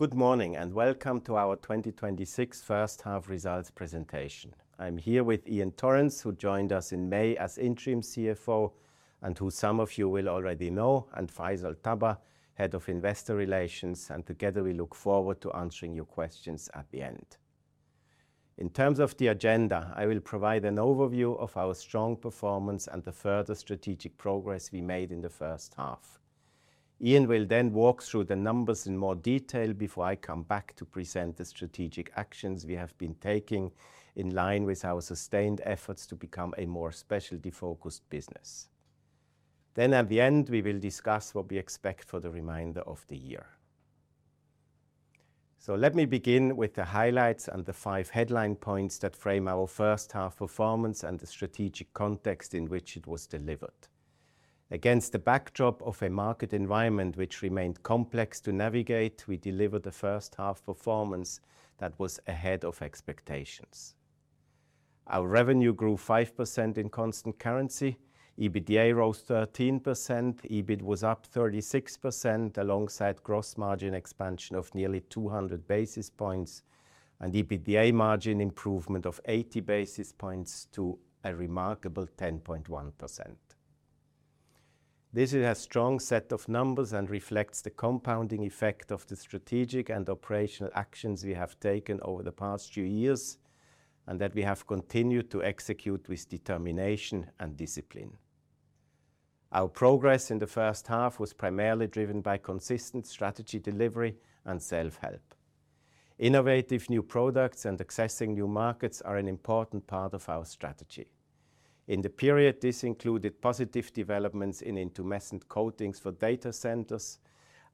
Good morning. Welcome to our 2026 first-half results presentation. I'm here with Iain Torrens, who joined us in May as interim CFO, and who some of you will already know, and Faisal Tabbah, Head of Investor Relations, and together we look forward to answering your questions at the end. In terms of the agenda, I will provide an overview of our strong performance and the further strategic progress we made in the first half. Iain will walk through the numbers in more detail before I come back to present the strategic actions we have been taking in line with our sustained efforts to become a more specialty-focused business. At the end, we will discuss what we expect for the remainder of the year. Let me begin with the highlights and the five headline points that frame our first half performance and the strategic context in which it was delivered. Against the backdrop of a market environment which remained complex to navigate, we delivered a first-half performance that was ahead of expectations. Our revenue grew 5% in constant currency, EBITDA rose 13%, EBIT was up 36% alongside gross margin expansion of nearly 200 basis points and EBITDA margin improvement of 80 basis points to a remarkable 10.1%. This is a strong set of numbers and reflects the compounding effect of the strategic and operational actions we have taken over the past few years, and that we have continued to execute with determination and discipline. Our progress in the first half was primarily driven by consistent strategy delivery and self-help. Innovative new products and accessing new markets are an important part of our strategy. In the period, this included positive developments in intumescent coatings for data centers,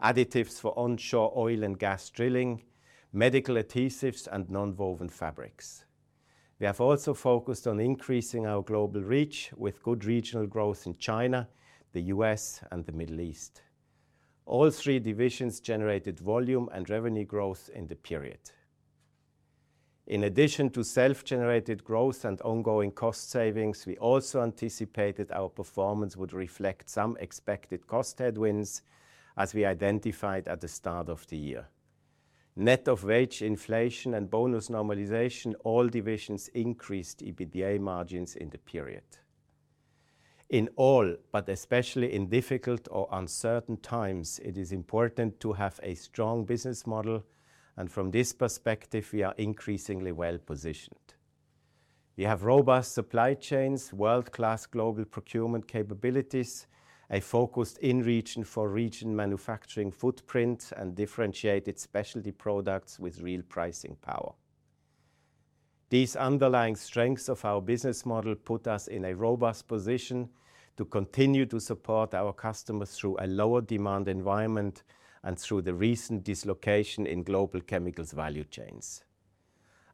additives for onshore oil and gas drilling, medical adhesives, and nonwoven fabrics. We have also focused on increasing our global reach with good regional growth in China, the U.S., and the Middle East. All three divisions generated volume and revenue growth in the period. In addition to self-generated growth and ongoing cost savings, we also anticipated our performance would reflect some expected cost headwinds as we identified at the start of the year. Net of wage inflation and bonus normalization, all divisions increased EBITDA margins in the period. In all, but especially in difficult or uncertain times, it is important to have a strong business model, and from this perspective, we are increasingly well-positioned. We have robust supply chains, world-class global procurement capabilities, a focused in region for region manufacturing footprint, and differentiated specialty products with real pricing power. These underlying strengths of our business model put us in a robust position to continue to support our customers through a lower demand environment and through the recent dislocation in global chemicals value chains.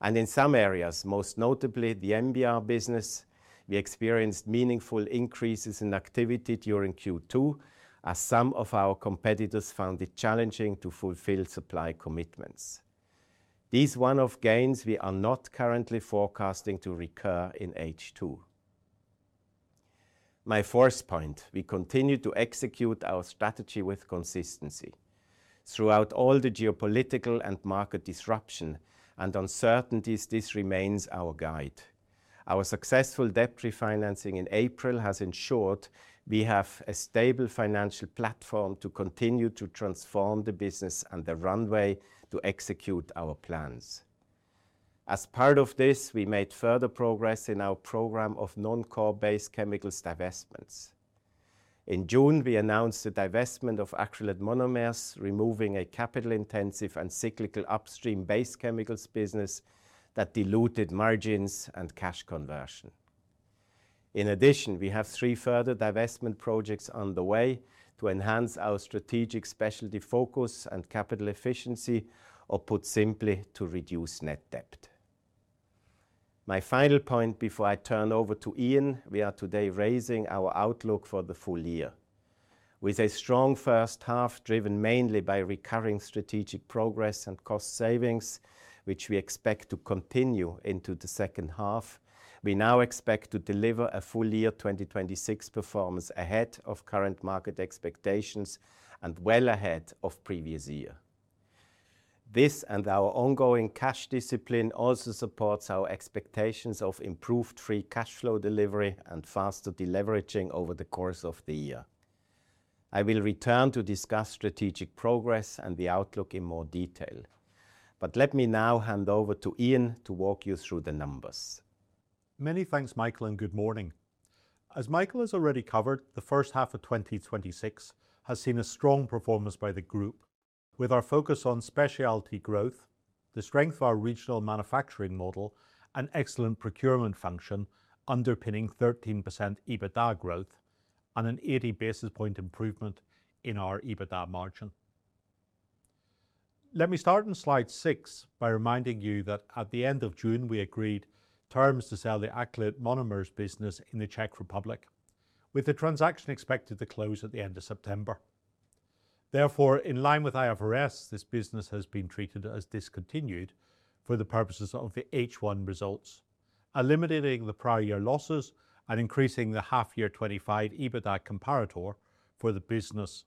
In some areas, most notably the NBR business, we experienced meaningful increases in activity during Q2 as some of our competitors found it challenging to fulfill supply commitments. These one-off gains we are not currently forecasting to recur in H2. My fourth point, we continue to execute our strategy with consistency. Throughout all the geopolitical and market disruption and uncertainties, this remains our guide. Our successful debt refinancing in April has ensured we have a stable financial platform to continue to transform the business and the runway to execute our plans. As part of this, we made further progress in our program of non-core base chemicals divestments. In June, we announced the divestment of Acrylate Monomers, removing a capital-intensive and cyclical upstream base chemicals business that diluted margins and cash conversion. In addition, we have three further divestment projects on the way to enhance our strategic specialty focus and capital efficiency, or put simply, to reduce net debt. My final point before I turn over to Iain, we are today raising our outlook for the full year. With a strong first half, driven mainly by recurring strategic progress and cost savings, which we expect to continue into the second half, we now expect to deliver a full year 2026 performance ahead of current market expectations and well ahead of previous year. This and our ongoing cash discipline also supports our expectations of improved free cash flow delivery and faster deleveraging over the course of the year. I will return to discuss strategic progress and the outlook in more detail. Let me now hand over to Iain to walk you through the numbers. Many thanks, Michael, and good morning. As Michael has already covered, the first half of 2026 has seen a strong performance by the group with our focus on specialty growth, the strength of our regional manufacturing model, and excellent procurement function underpinning 13% EBITDA growth on an 80 basis point improvement in our EBITDA margin. Let me start on slide six by reminding you that at the end of June, we agreed terms to sell the Acrylate Monomers business in the Czech Republic, with the transaction expected to close at the end of September. Therefore, in line with IFRS, this business has been treated as discontinued for the purposes of the H1 results. Eliminating the prior year losses and increasing the half-year 2025 EBITDA comparator for the business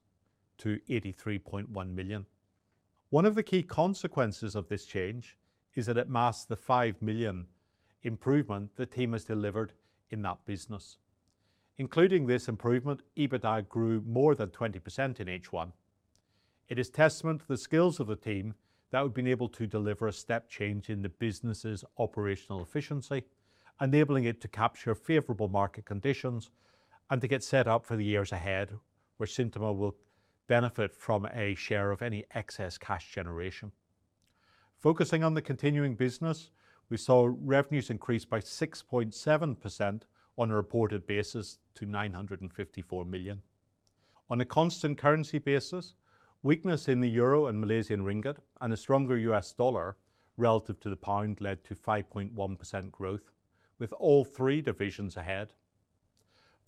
to 83.1 million. One of the key consequences of this change is that it masks the five million improvement the team has delivered in that business. Including this improvement, EBITDA grew more than 20% in H1. It is testament to the skills of the team that we've been able to deliver a step change in the business's operational efficiency, enabling it to capture favorable market conditions and to get set up for the years ahead, where Synthomer will benefit from a share of any excess cash generation. Focusing on the continuing business, we saw revenues increase by 6.7% on a reported basis to 954 million. On a constant currency basis, weakness in the euro and Malaysian ringgit and a stronger US dollar relative to the pound led to 5.1% growth with all three divisions ahead.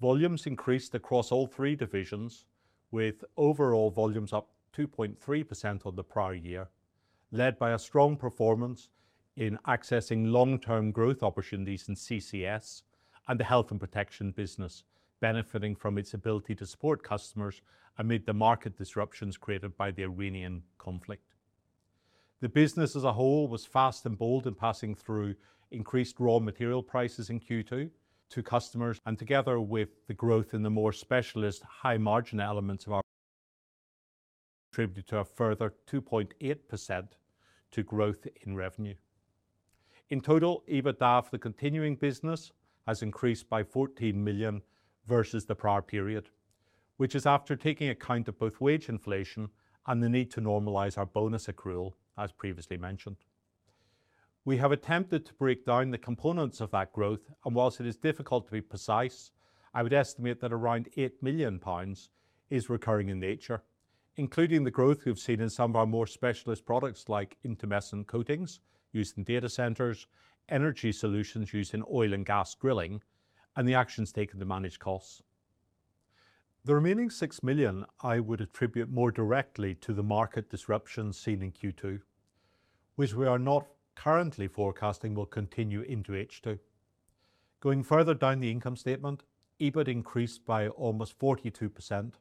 Volumes increased across all three divisions, with overall volumes up 2.3% on the prior year, led by a strong performance in accessing long-term growth opportunities in CCS and the health and protection business benefiting from its ability to support customers amid the market disruptions created by the Iranian conflict. The business as a whole was fast and bold in passing through increased raw material prices in Q2 to customers, and together with the growth in the more specialist high-margin elements attributed to a further 2.8% to growth in revenue. In total, EBITDA of the continuing business has increased by 14 million versus the prior period, which is after taking account of both wage inflation and the need to normalize our bonus accrual, as previously mentioned. We have attempted to break down the components of that growth, whilst it is difficult to be precise, I would estimate that around 8 million pounds is recurring in nature, including the growth we've seen in some of our more specialist products like intumescent coatings used in data centers, energy solutions used in oil and gas drilling, and the actions taken to manage costs. The remaining 6 million I would attribute more directly to the market disruption seen in Q2, which we are not currently forecasting will continue into H2. Going further down the income statement, EBIT increased by almost 42%,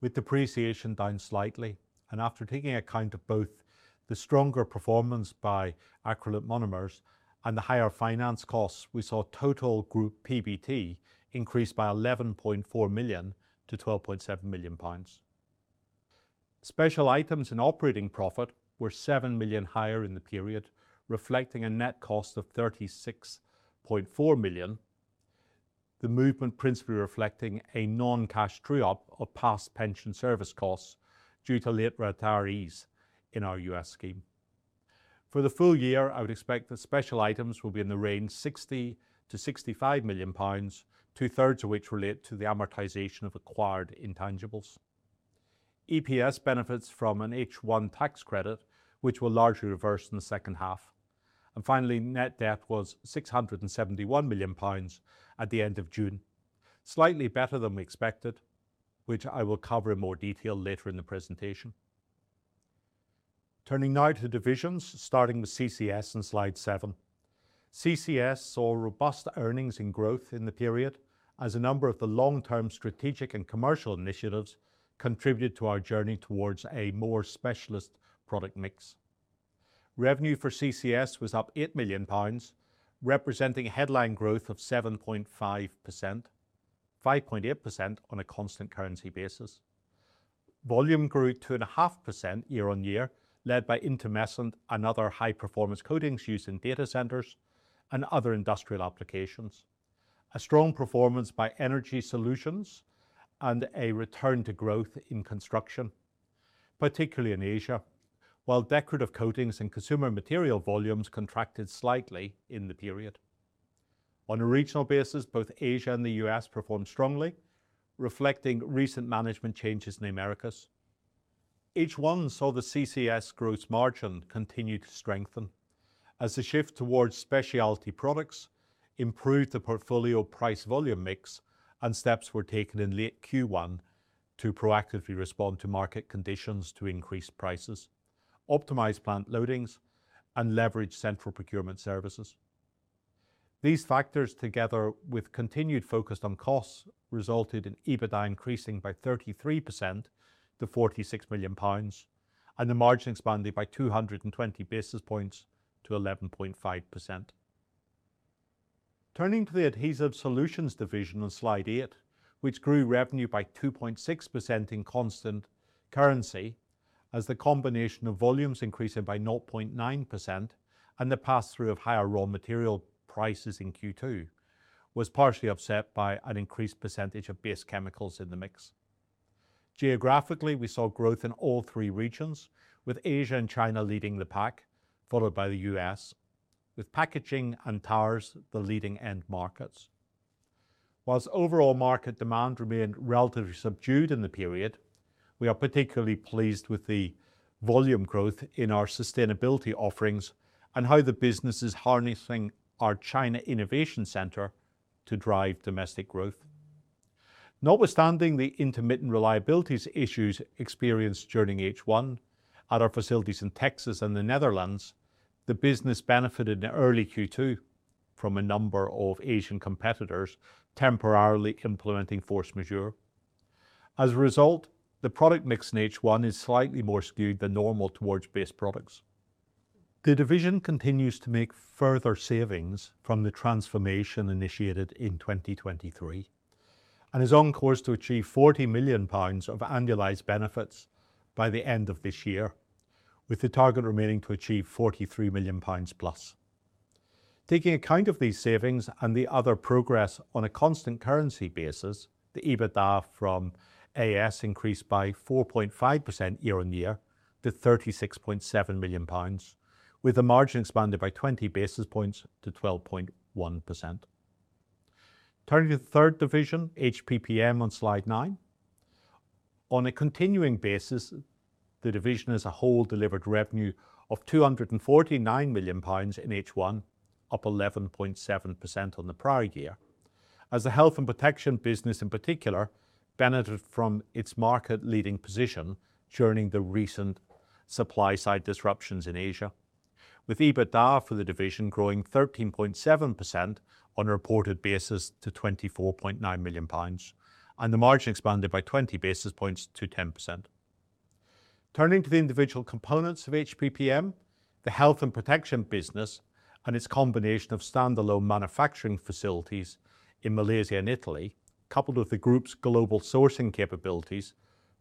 with depreciation down slightly. After taking account of both the stronger performance by Acrylate Monomers and the higher finance costs, we saw total group PBT increase by 11.4 million to 12.7 million pounds. Special items and operating profit were 7 million higher in the period, reflecting a net cost of 36.4 million. The movement principally reflecting a non-cash true up of past pension service costs due to late retirees in our U.S. scheme. For the full year, I would expect that special items will be in the range 60 million-65 million pounds, two-thirds of which relate to the amortization of acquired intangibles. EPS benefits from an H1 tax credit, which will largely reverse in the second half. Finally, net debt was 671 million pounds at the end of June. Slightly better than we expected, which I will cover in more detail later in the presentation. Turning now to divisions, starting with CCS in slide seven. CCS saw robust earnings and growth in the period as a number of the long-term strategic and commercial initiatives contributed to our journey towards a more specialist product mix. Revenue for CCS was up 8 million pounds, representing headline growth of 7.5%, 5.8% on a constant currency basis. Volume grew 2.5% year-on-year, led by intumescent and other high-performance coatings used in data centers and other industrial applications. A strong performance by energy solutions and a return to growth in construction, particularly in Asia. While decorative coatings and consumer material volumes contracted slightly in the period. On a regional basis, both Asia and the U.S. performed strongly, reflecting recent management changes in the Americas. H1 saw the CCS gross margin continue to strengthen as the shift towards specialty products improved the portfolio price-volume mix and steps were taken in late Q1 to proactively respond to market conditions to increase prices, optimize plant loadings, and leverage central procurement services. These factors, together with continued focus on costs, resulted in EBITDA increasing by 33% to 46 million pounds and the margin expanded by 220 basis points to 11.5%. Turning to the Adhesive Solutions division on slide eight, which grew revenue by 2.6% in constant currency as the combination of volumes increasing by 0.9% and the pass-through of higher raw material prices in Q2 was partially offset by an increased percentage of base chemicals in the mix. Geographically, we saw growth in all three regions, with Asia and China leading the pack, followed by the U.S., with packaging and towers the leading end markets. Whilst overall market demand remained relatively subdued in the period, we are particularly pleased with the volume growth in our sustainability offerings and how the business is harnessing our China Innovation Center to drive domestic growth. Notwithstanding the intermittent reliability issues experienced during H1 at our facilities in Texas and the Netherlands, the business benefited in early Q2 from a number of Asian competitors temporarily implementing force majeure. As a result, the product mix in H1 is slightly more skewed than normal towards base products. The division continues to make further savings from the transformation initiated in 2023, and is on course to achieve 40 million pounds of annualized benefits by the end of this year, with the target remaining to achieve 43 million pounds+. Taking account of these savings and the other progress on a constant currency basis, the EBITDA from AS increased by 4.5% year-over-year to 36.7 million pounds, with the margin expanded by 20 basis points to 12.1%. Turning to the third division, HPPM on slide nine. On a continuing basis, the division as a whole delivered revenue of 249 million pounds in H1, up 11.7% on the prior year. As the Health & Protection business in particular benefited from its market-leading position during the recent supply side disruptions in Asia, with EBITDA for the division growing 13.7% on a reported basis to 24.9 million pounds, and the margin expanded by 20 basis points to 10%. Turning to the individual components of HPPM, the Health & Protection business, and its combination of standalone manufacturing facilities in Malaysia and Italy, coupled with the group's global sourcing capabilities,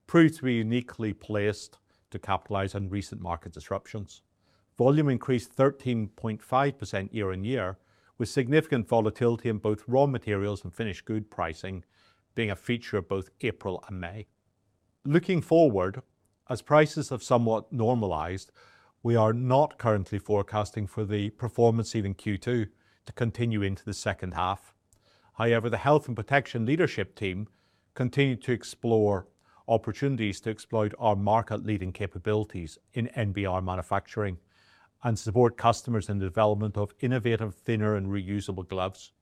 proved to be uniquely placed to capitalize on recent market disruptions. Volume increased 13.5% year-over-year, with significant volatility in both raw materials and finished good pricing being a feature of both April and May. Looking forward, as prices have somewhat normalized, we are not currently forecasting for the performance seen in Q2 to continue into the second half. However, the Health & Protection leadership team continue to explore opportunities to exploit our market-leading capabilities in NBR manufacturing and support customers in the development of innovative, thinner, and reusable gloves.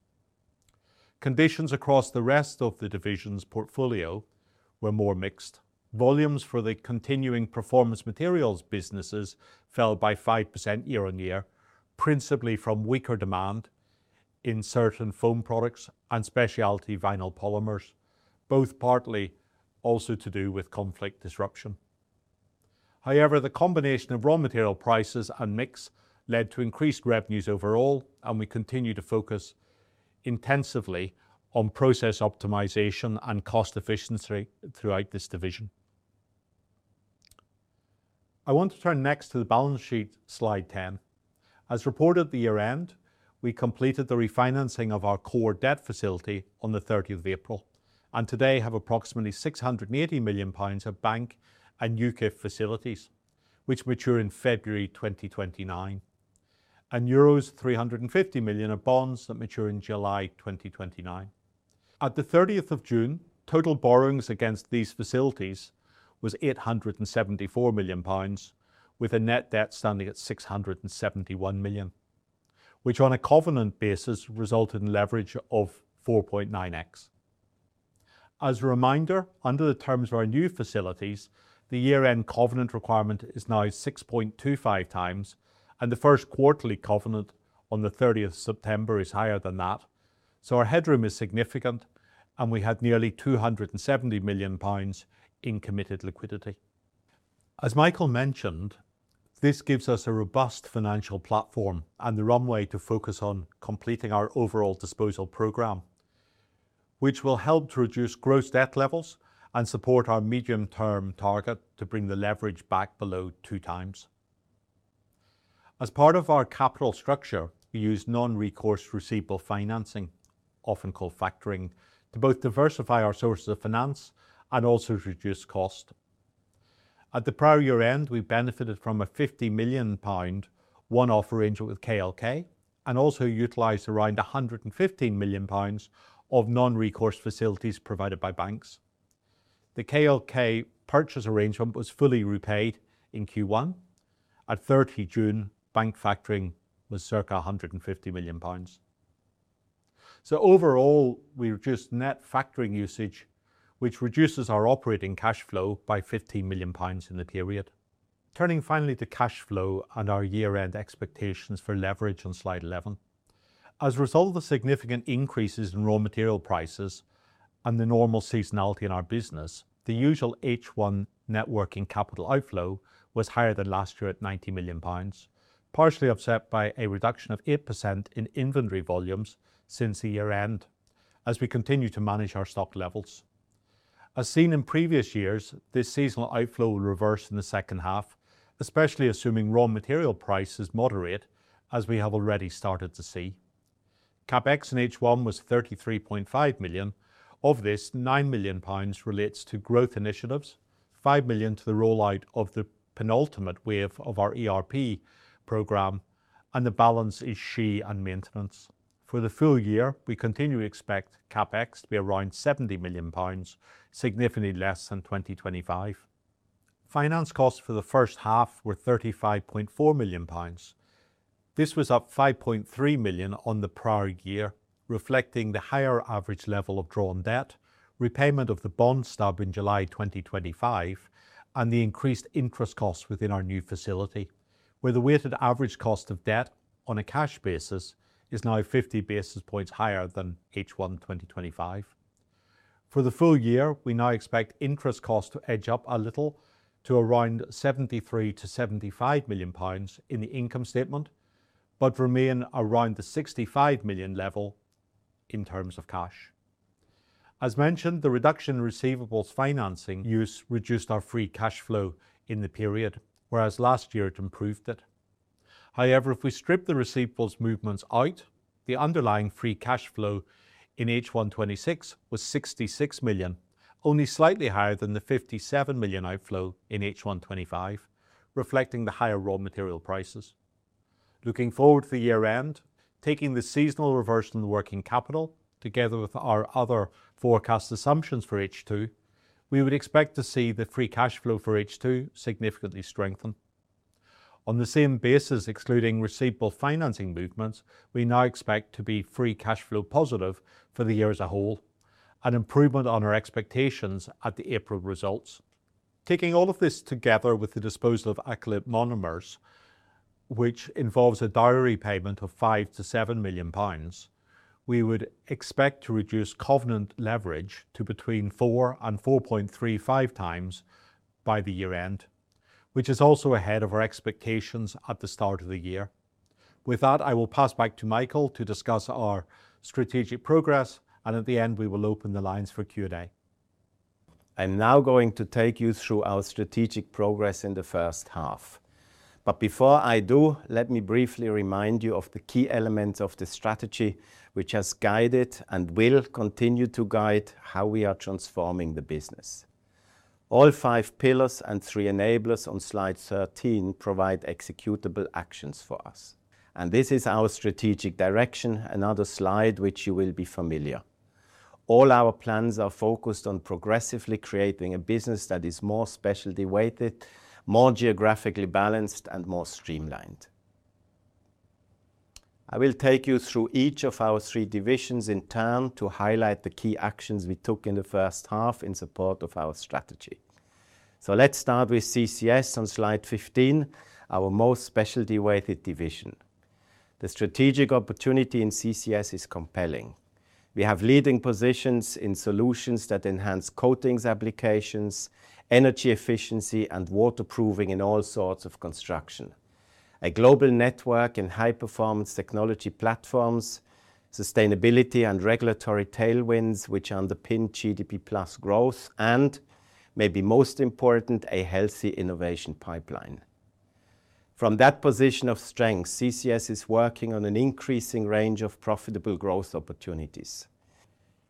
Conditions across the rest of the division's portfolio were more mixed. Volumes for the continuing performance materials businesses fell by 5% year-on-year, principally from weaker demand in certain foam products and specialty vinyl polymers, both partly also to do with conflict disruption. The combination of raw material prices and mix led to increased revenues overall, and we continue to focus intensively on process optimization and cost efficiency throughout this division. I want to turn next to the balance sheet, slide 10. As reported at the year-end, we completed the refinancing of our core debt facility on the 30th of April, and today have approximately 680 million pounds of bank and UKEF facilities, which mature in February 2029. Euros 350 million of bonds that mature in July 2029. At the 30th of June, total borrowings against these facilities was 874 million pounds, with a net debt standing at 671 million, which on a covenant basis resulted in leverage of 4.9x. As a reminder, under the terms of our new facilities, the year-end covenant requirement is now 6.25x, and the first quarterly covenant on the 30th of September is higher than that. Our headroom is significant, and we had nearly 270 million pounds in committed liquidity. As Michael mentioned, this gives us a robust financial platform and the runway to focus on completing our overall disposal program, which will help to reduce gross debt levels and support our medium-term target to bring the leverage back below 2x. As part of our capital structure, we use non-recourse receivable financing, often called factoring, to both diversify our sources of finance and also to reduce cost. At the prior year-end, we benefited from a 50 million pound one-off arrangement with KLK and also utilized around 115 million pounds of non-recourse facilities provided by banks. The KLK purchase arrangement was fully repaid in Q1. At 30 June, bank factoring was circa 150 million pounds. Overall, we reduced net factoring usage, which reduces our operating cash flow by 15 million pounds in the period. Turning finally to cash flow and our year-end expectations for leverage on slide 11. As a result of the significant increases in raw material prices and the normal seasonality in our business, the usual H1 net working capital outflow was higher than last year at 90 million pounds, partially offset by a reduction of 8% in inventory volumes since the year-end as we continue to manage our stock levels. As seen in previous years, this seasonal outflow will reverse in the second half, especially assuming raw material prices moderate as we have already started to see. CapEx in H1 was 33.5 million. Of this, 9 million pounds relates to growth initiatives, 5 million to the rollout of the penultimate wave of our ERP program, and the balance is SHE and maintenance. For the full year, we continue to expect CapEx to be around 70 million pounds, significantly less than 2025 Finance costs for the first half were 35.4 million pounds. This was up 5.3 million on the prior year, reflecting the higher average level of drawn debt, repayment of the bond stub in July 2025, and the increased interest costs within our new facility, where the weighted average cost of debt on a cash basis is now 50 basis points higher than H1 2025. For the full year, we now expect interest costs to edge up a little to around 73 million-75 million pounds in the income statement, but remain around the 65 million level in terms of cash. As mentioned, the reduction in receivables financing use reduced our free cash flow in the period, whereas last year it improved it. However, if we strip the receivables movements out, the underlying free cash flow in H1 2026 was 66 million, only slightly higher than the 57 million outflow in H1 2025, reflecting the higher raw material prices. Looking forward to the year-end, taking the seasonal reverse in the working capital, together with our other forecast assumptions for H2, we would expect to see the free cash flow for H2 significantly strengthen. On the same basis, excluding receivable financing movements, we now expect to be free cash flow positive for the year as a whole, an improvement on our expectations at the April results. Taking all of this together with the disposal of Acrylate Monomers, which involves a dowry payment of 5 million-7 million pounds, we would expect to reduce covenant leverage to between 4 and 4.35x by the year-end, which is also ahead of our expectations at the start of the year. With that, I will pass back to Michael to discuss our strategic progress, and at the end, we will open the lines for Q&A. I'm now going to take you through our strategic progress in the first half. Before I do, let me briefly remind you of the key elements of the strategy which has guided, and will continue to guide, how we are transforming the business. All five pillars and three enablers on slide 13 provide executable actions for us. This is our strategic direction, another slide which you will be familiar. All our plans are focused on progressively creating a business that is more specialty-weighted, more geographically balanced, and more streamlined. I will take you through each of our three divisions in turn to highlight the key actions we took in the first half in support of our strategy. Let's start with CCS on slide 15, our most specialty-weighted division. The strategic opportunity in CCS is compelling. We have leading positions in solutions that enhance coatings applications, energy efficiency, and waterproofing in all sorts of construction. A global network in high-performance technology platforms, sustainability and regulatory tailwinds which underpin GDP plus growth and, maybe most important, a healthy innovation pipeline. From that position of strength, CCS is working on an increasing range of profitable growth opportunities.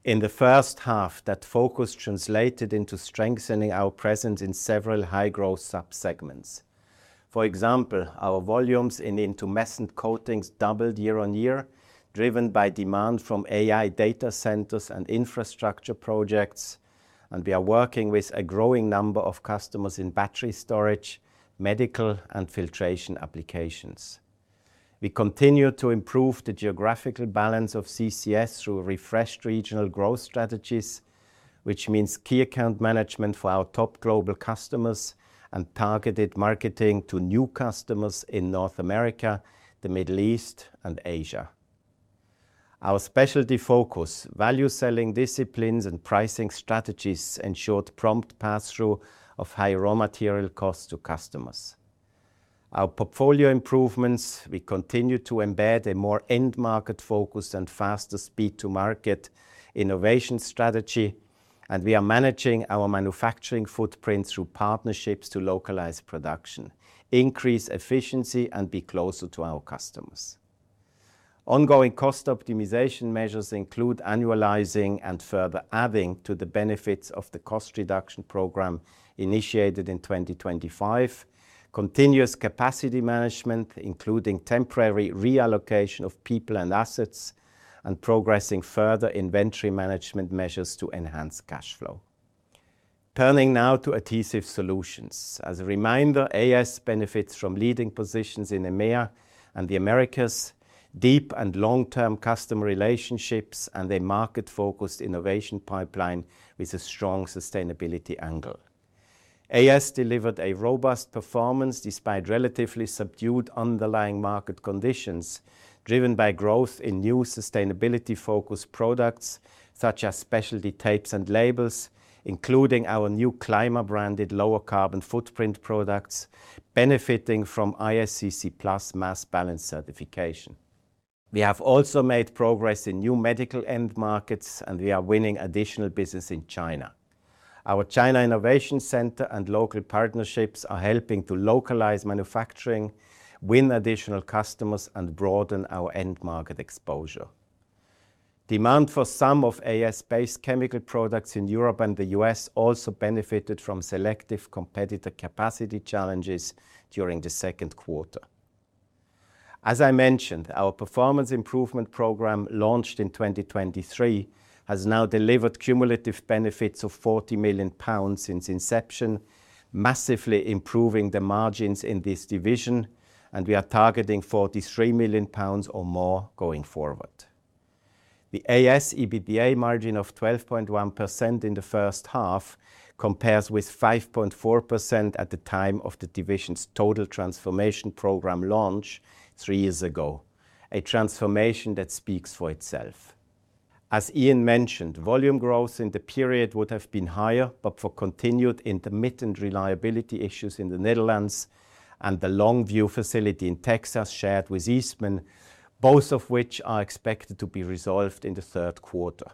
In the first half, that focus translated into strengthening our presence in several high-growth subsegments. For example, our volumes in intumescent coatings doubled year-on-year, driven by demand from AI data centers and infrastructure projects, and we are working with a growing number of customers in battery storage, medical, and filtration applications. We continue to improve the geographical balance of CCS through refreshed regional growth strategies, which means key account management for our top global customers and targeted marketing to new customers in North America, the Middle East, and Asia. Our specialty focus, value-selling disciplines, and pricing strategies ensured prompt passthrough of high raw material costs to customers. Our portfolio improvements, we continue to embed a more end-market focused and faster speed to market innovation strategy, and we are managing our manufacturing footprint through partnerships to localize production, increase efficiency, and be closer to our customers. Ongoing cost optimization measures include annualizing and further adding to the benefits of the cost reduction program initiated in 2025, continuous capacity management, including temporary reallocation of people and assets, and progressing further inventory management measures to enhance cash flow. Turning now to Adhesive Solutions. As a reminder, AS benefits from leading positions in EMEA and the Americas, deep and long-term customer relationships, and a market-focused innovation pipeline with a strong sustainability angle. AS delivered a robust performance despite relatively subdued underlying market conditions, driven by growth in new sustainability-focused products such as specialty tapes and labels, including our new CLIMA-branded lower carbon footprint products, benefiting from ISCC PLUS mass balance certification. We have also made progress in new medical end markets, and we are winning additional business in China. Our China Innovation Center and local partnerships are helping to localize manufacturing, win additional customers, and broaden our end-market exposure. Demand for some of AS-based chemical products in Europe and the U.S. also benefited from selective competitor capacity challenges during the second quarter. As I mentioned, our performance improvement program, launched in 2023, has now delivered cumulative benefits of 40 million pounds since inception, massively improving the margins in this division, and we are targeting 43 million pounds or more going forward. The AS EBITDA margin of 12.1% in the first half compares with 5.4% at the time of the division's total transformation program launch three years ago, a transformation that speaks for itself. As Iain mentioned, volume growth in the period would have been higher but for continued intermittent reliability issues in the Netherlands and the Longview facility in Texas, shared with Eastman, both of which are expected to be resolved in the third quarter.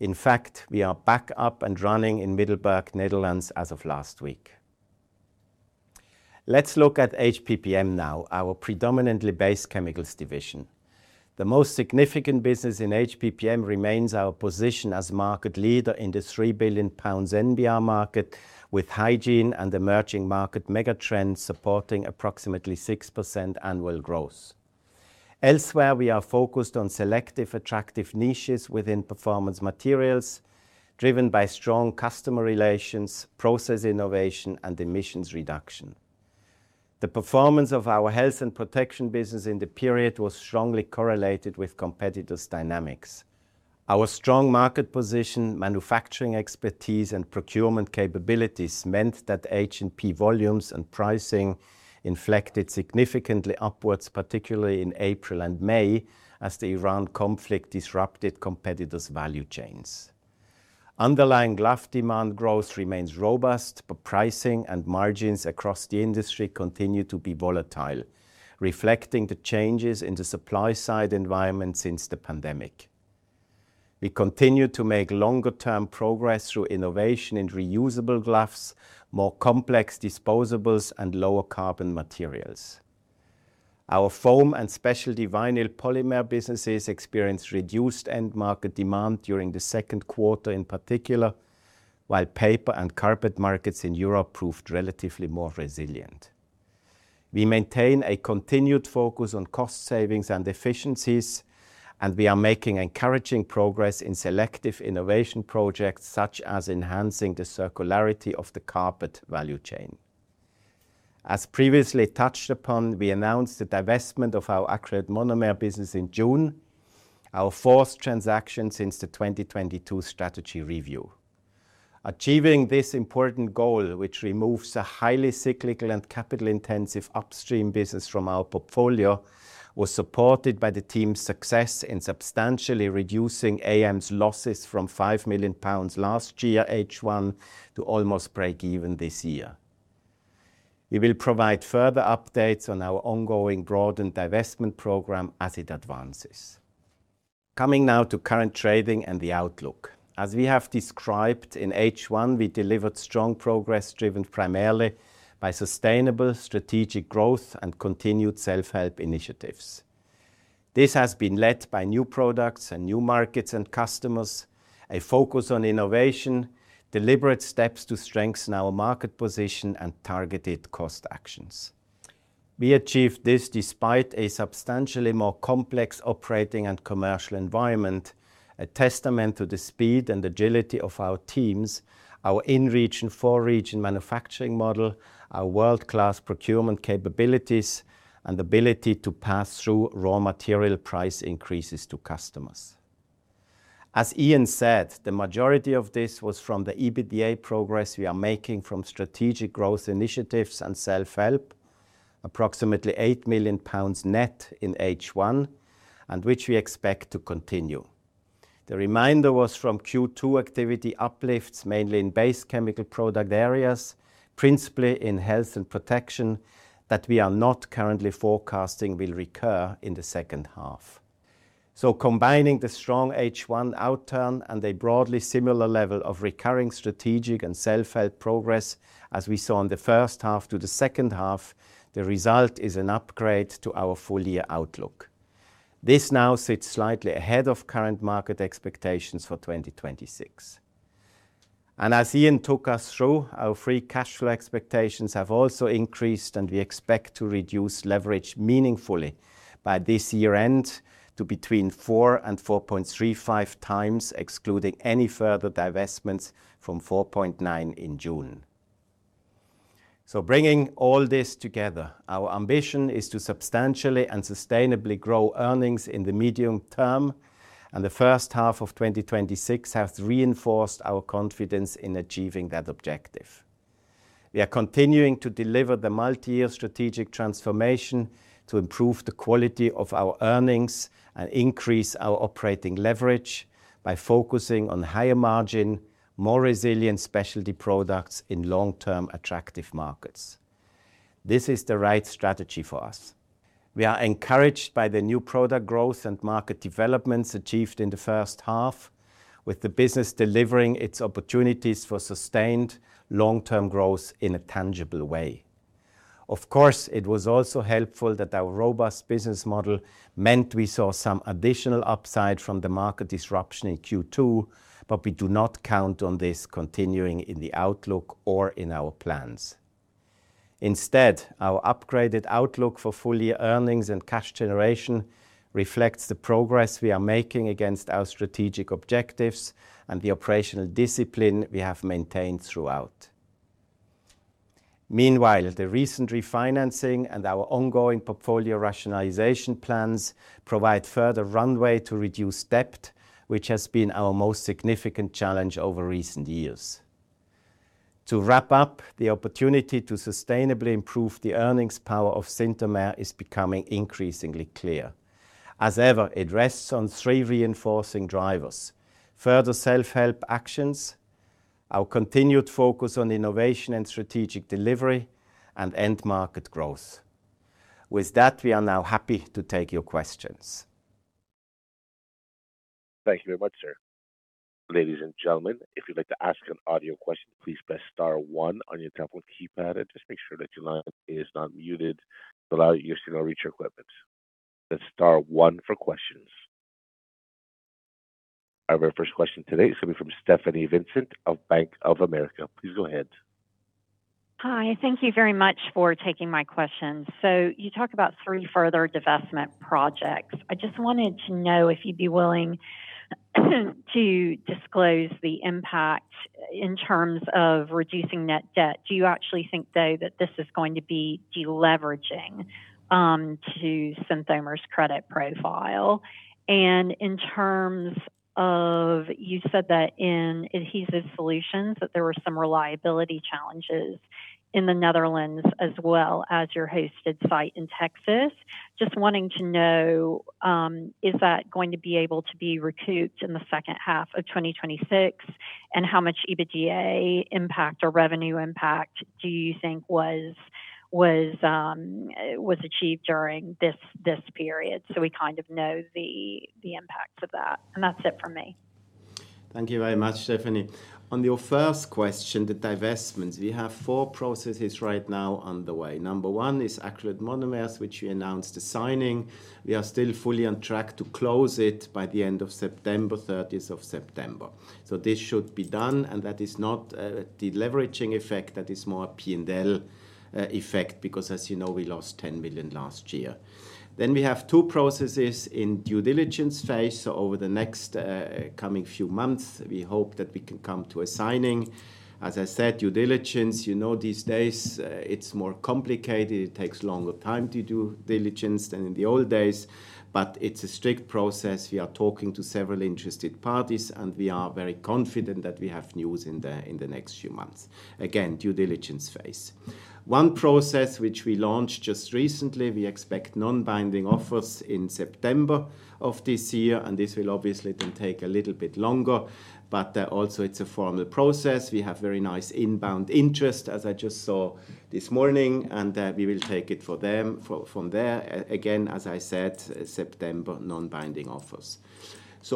In fact, we are back up and running in Middelburg, Netherlands, as of last week. Let's look at HPPM now, our predominantly base chemicals division. The most significant business in HPPM remains our position as market leader in the 3 billion pounds NBR market, with hygiene and emerging market megatrends supporting approximately 6% annual growth. Elsewhere, we are focused on selective attractive niches within performance materials, driven by strong customer relations, process innovation, and emissions reduction. The performance of our health and protection business in the period was strongly correlated with competitors' dynamics. Our strong market position, manufacturing expertise, and procurement capabilities meant that H&P volumes and pricing inflected significantly upwards, particularly in April and May, as the Iran conflict disrupted competitors' value chains. Underlying glove demand growth remains robust, but pricing and margins across the industry continue to be volatile, reflecting the changes in the supply side environment since the pandemic. We continue to make longer-term progress through innovation in reusable gloves, more complex disposables, and lower carbon materials. Our foam and specialty vinyl polymer businesses experienced reduced end market demand during the second quarter, in particular, while paper and carpet markets in Europe proved relatively more resilient. We maintain a continued focus on cost savings and efficiencies, and we are making encouraging progress in selective innovation projects, such as enhancing the circularity of the carpet value chain. As previously touched upon, we announced the divestment of our Acrylate Monomers business in June, our fourth transaction since the 2022 strategy review. Achieving this important goal, which removes a highly cyclical and capital-intensive upstream business from our portfolio, was supported by the team's success in substantially reducing AM's losses from 5 million pounds last year H1 to almost breakeven this year. We will provide further updates on our ongoing broadened divestment program as it advances. Coming now to current trading and the outlook. As we have described, in H1, we delivered strong progress driven primarily by sustainable strategic growth and continued self-help initiatives. This has been led by new products and new markets and customers, a focus on innovation, deliberate steps to strengthen our market position, and targeted cost actions. We achieved this despite a substantially more complex operating and commercial environment, a testament to the speed and agility of our teams, our in-region, for-region manufacturing model, our world-class procurement capabilities, and ability to pass through raw material price increases to customers. As Iain said, the majority of this was from the EBITDA progress we are making from strategic growth initiatives and self-help, approximately 8 million pounds net in H1, and which we expect to continue. The reminder was from Q2 activity uplifts, mainly in base chemical product areas, principally in Health & Protection, that we are not currently forecasting will recur in the second half. Combining the strong H1 outturn and a broadly similar level of recurring strategic and self-help progress as we saw in the first half to the second half, the result is an upgrade to our full-year outlook. This now sits slightly ahead of current market expectations for 2026. And as Iain took us through, our free cash flow expectations have also increased, and we expect to reduce leverage meaningfully by this year-end to between 4 and 4.35x, excluding any further divestments from 4.9 in June. Bringing all this together, our ambition is to substantially and sustainably grow earnings in the medium term, and the first half of 2026 has reinforced our confidence in achieving that objective. We are continuing to deliver the multi-year strategic transformation to improve the quality of our earnings and increase our operating leverage by focusing on higher margin, more resilient specialty products in long-term attractive markets. This is the right strategy for us. We are encouraged by the new product growth and market developments achieved in the first half, with the business delivering its opportunities for sustained long-term growth in a tangible way. Of course, it was also helpful that our robust business model meant we saw some additional upside from the market disruption in Q2, but we do not count on this continuing in the outlook or in our plans. Instead, our upgraded outlook for full-year earnings and cash generation reflects the progress we are making against our strategic objectives and the operational discipline we have maintained throughout. The recent refinancing and our ongoing portfolio rationalization plans provide further runway to reduce debt, which has been our most significant challenge over recent years. The opportunity to sustainably improve the earnings power of Synthomer is becoming increasingly clear. It rests on three reinforcing drivers: further self-help actions, our continued focus on innovation and strategic delivery, and end market growth. We are now happy to take your questions. Thank you very much, sir. Ladies and gentlemen, if you'd like to ask an audio question, please press star one on your telephone keypad and just make sure that your line is not muted to allow your signal to reach our equipment. That's star one for questions. Our very first question today is coming from Stephanie Vincent of Bank of America. Please go ahead. Hi. Thank you very much for taking my questions. You talk about three further divestment projects. I just wanted to know if you'd be willing to disclose the impact in terms of reducing net debt. Do you actually think, though, that this is going to be deleveraging to Synthomer's credit profile? In terms of, you said that in Adhesive Solutions that there were some reliability challenges in the Netherlands as well as your hosted site in Texas. Just wanting to know, is that going to be able to be recouped in the second half of 2026? How much EBITDA impact or revenue impact do you think was achieved during this period so we know the impacts of that? That's it from me. Thank you very much, Stephanie. On your first question, the divestments, we have four processes right now underway. Number one is Acrylate Monomers, which we announced the signing. We are still fully on track to close it by the end of September, 30th of September. This should be done, and that is not a deleveraging effect. That is more a P&L effect because, as you know, we lost 10 million last year. We have two processes in due diligence phase. Over the next coming few months, we hope that we can come to a signing. As I said, due diligence, you know these days, it's more complicated. It takes longer time to do diligence than in the old days, but it's a strict process. We are talking to several interested parties, and we are very confident that we have news in the next few months. Due diligence phase 1 process which we launched just recently, we expect non-binding offers in September of this year. This will obviously then take a little bit longer, but also it's a formal process. We have very nice inbound interest as I just saw this morning. We will take it from there. As I said, September non-binding offers.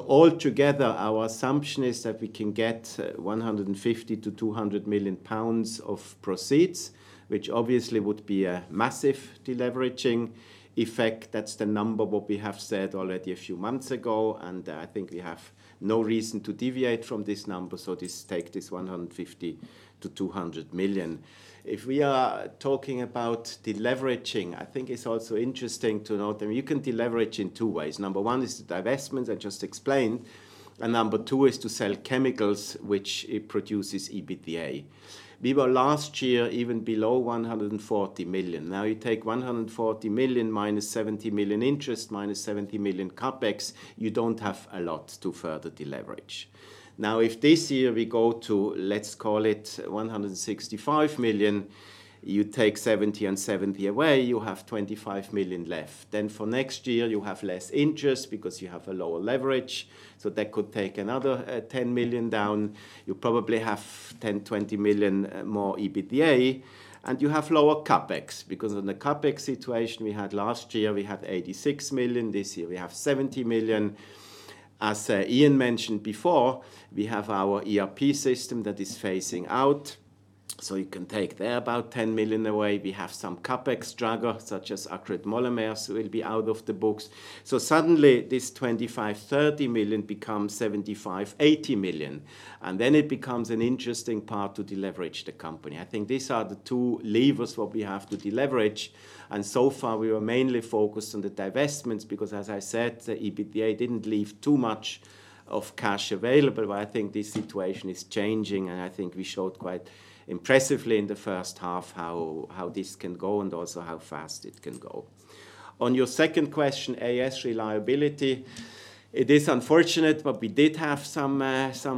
All together, our assumption is that we can get 150 million to 200 million pounds of proceeds, which obviously would be a massive deleveraging effect. That's the number what we have said already a few months ago, and I think we have no reason to deviate from this number. Just take this 150 million to 200 million. If we are talking about deleveraging, I think it's also interesting to note that you can deleverage in two ways. Number one is the divestments I just explained. Number two is to sell chemicals, which produces EBITDA. We were last year even below 140 million. You take 140 million minus 70 million interest, minus 70 million CapEx, you don't have a lot to further deleverage. If this year we go to, let's call it 165 million, you take 70 and 70 away, you have 25 million left. For next year, you have less interest because you have a lower leverage. That could take another 10 million down. You probably have 10 million, 20 million more EBITDA, and you have lower CapEx because on the CapEx situation we had last year, we had 86 million. This year, we have 70 million. As Iain mentioned before, we have our ERP system that is phasing out. You can take there about 10 million away. We have some CapEx dragger such as Acrylate Monomers will be out of the books. Suddenly this 25 million, 30 million becomes 75 million, 80 million. Then it becomes an interesting part to deleverage the company. I think these are the two levers what we have to deleverage. So far we were mainly focused on the divestments because, as I said, the EBITDA didn't leave too much of cash available. I think this situation is changing. I think we showed quite impressively in the first half how this can go and also how fast it can go. On your second question, AS reliability, it is unfortunate, but we did have some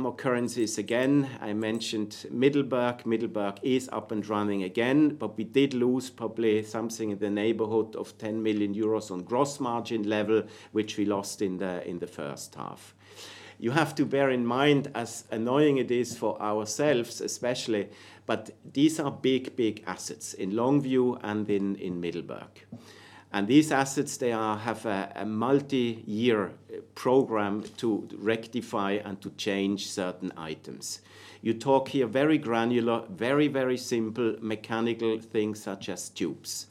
occurrences again. I mentioned Middelburg. Middelburg is up and running again, but we did lose probably something in the neighborhood of 10 million euros on gross margin level, which we lost in the first half. You have to bear in mind, as annoying it is for ourselves especially, these are big assets in Longview and in Middelburg. These assets, they have a multi-year program to rectify and to change certain items. You talk here very granular, very simple mechanical things such as tubes.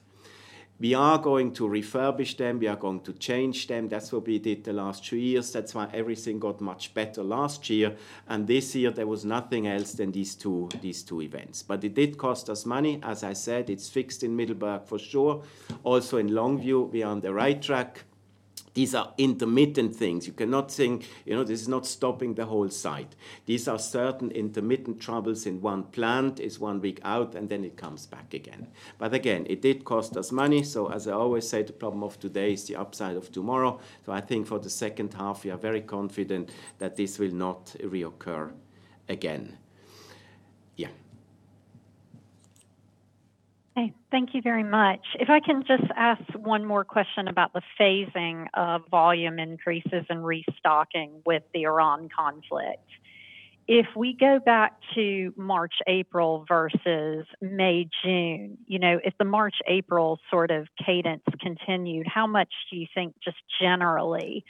We are going to refurbish them. We are going to change them. That's what we did the last two years. That's why everything got much better last year. This year there was nothing else than these two events. It did cost us money. As I said, it's fixed in Middelburg for sure. Also in Longview, we are on the right track. These are intermittent things. This is not stopping the whole site. These are certain intermittent troubles in one plant, is one week out. Then it comes back again. Again, it did cost us money. As I always say, the problem of today is the upside of tomorrow. I think for the second half, we are very confident that this will not reoccur again. Yeah. Okay, thank you very much. If I can just ask one more question about the phasing of volume increases and restocking with the Iran conflict. If we go back to March, April versus May, June, if the March, April sort of cadence continued, how much do you think just generally,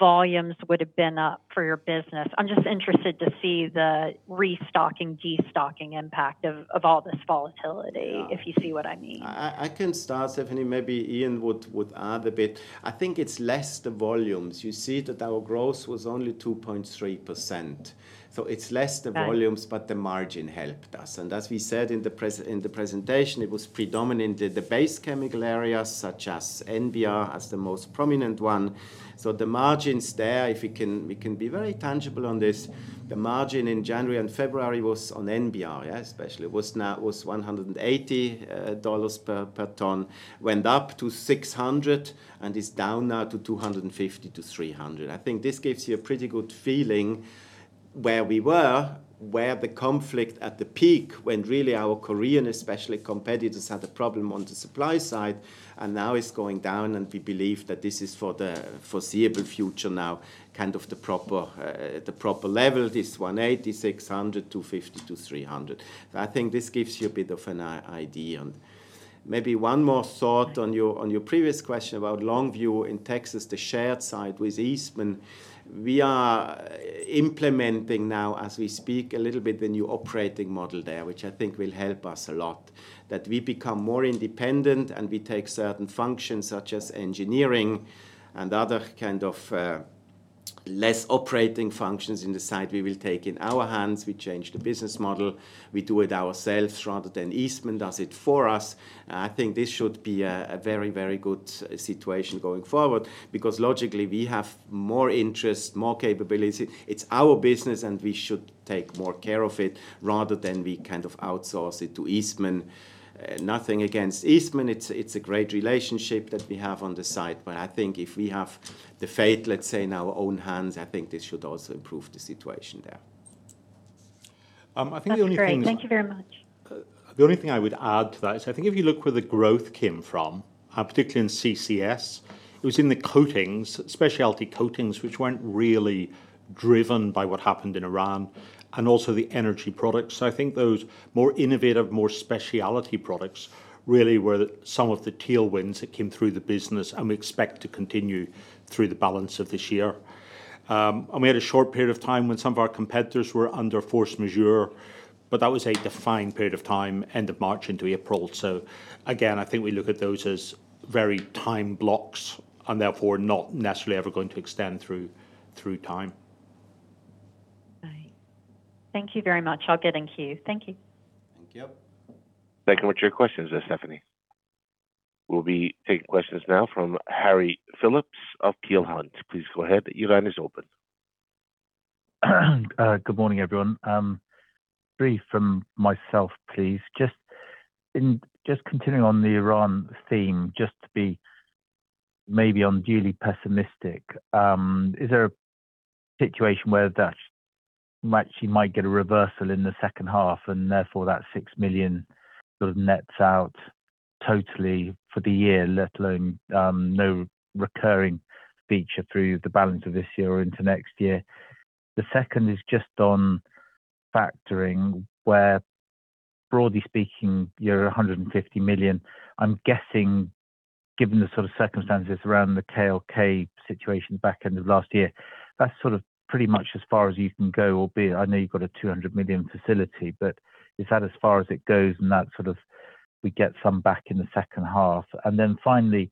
volumes would have been up for your business? I'm just interested to see the restocking, de-stocking impact of all this volatility, if you see what I mean. I can start, Stephanie, maybe Iain would add a bit. I think it's less the volumes. You see that our growth was only 2.3%. It's less the volumes. Right The margin helped us. As we said in the presentation, it was predominantly the base chemical areas such as NBR as the most prominent one. The margins there, we can be very tangible on this, the margin in January and February was on NBR, especially, was GBP 180 per ton, went up to 600 and is down now to 250-300. I think this gives you a pretty good feeling where we were, where the conflict at the peak when really our Korean, especially, competitors had a problem on the supply side, and now it's going down and we believe that this is for the foreseeable future now, kind of the proper level, this 180, 600, 250-300. I think this gives you a bit of an idea. Maybe one more thought on your previous question about Longview in Texas, the shared site with Eastman. We are implementing now as we speak a little bit the new operating model there, which I think will help us a lot. We become more independent and we take certain functions such as engineering and other kind of less operating functions in the site we will take in our hands. We change the business model. We do it ourselves rather than Eastman does it for us. I think this should be a very good situation going forward because logically, we have more interest, more capability. It's our business and we should take more care of it rather than we kind of outsource it to Eastman. Nothing against Eastman. It's a great relationship that we have on the site. I think if we have the fate, let's say, in our own hands, I think this should also improve the situation there. That's great. Thank you very much. The only thing I would add to that is I think if you look where the growth came from, particularly in CCS, it was in the specialty coatings, which weren't really driven by what happened in Iran, and also the energy products. I think those more innovative, more specialty products really were some of the tailwinds that came through the business and we expect to continue through the balance of this year. We had a short period of time when some of our competitors were under force majeure, but that was a defined period of time, end of March into April. Again, I think we look at those as very time blocks and therefore not necessarily ever going to extend through time. Right. Thank you very much. I'll get in queue. Thank you. Thank you. Thank you much for your questions there, Stephanie. We'll be taking questions now from Harry Philips of Peel Hunt. Please go ahead. Your line is open. Good morning, everyone. Three from myself, please. Just continuing on the Iran theme, just to be maybe unduly pessimistic, is there a situation where that actually might get a reversal in the second half and therefore that 6 million sort of nets out totally for the year, let alone no recurring feature through the balance of this year or into next year? The second is just on factoring, where broadly speaking, your 150 million, I'm guessing, given the sort of circumstances around the KLK situation back end of last year, that's sort of pretty much as far as you can go, albeit I know you've got a 200 million facility, but is that as far as it goes and that sort of we get some back in the second half? Finally,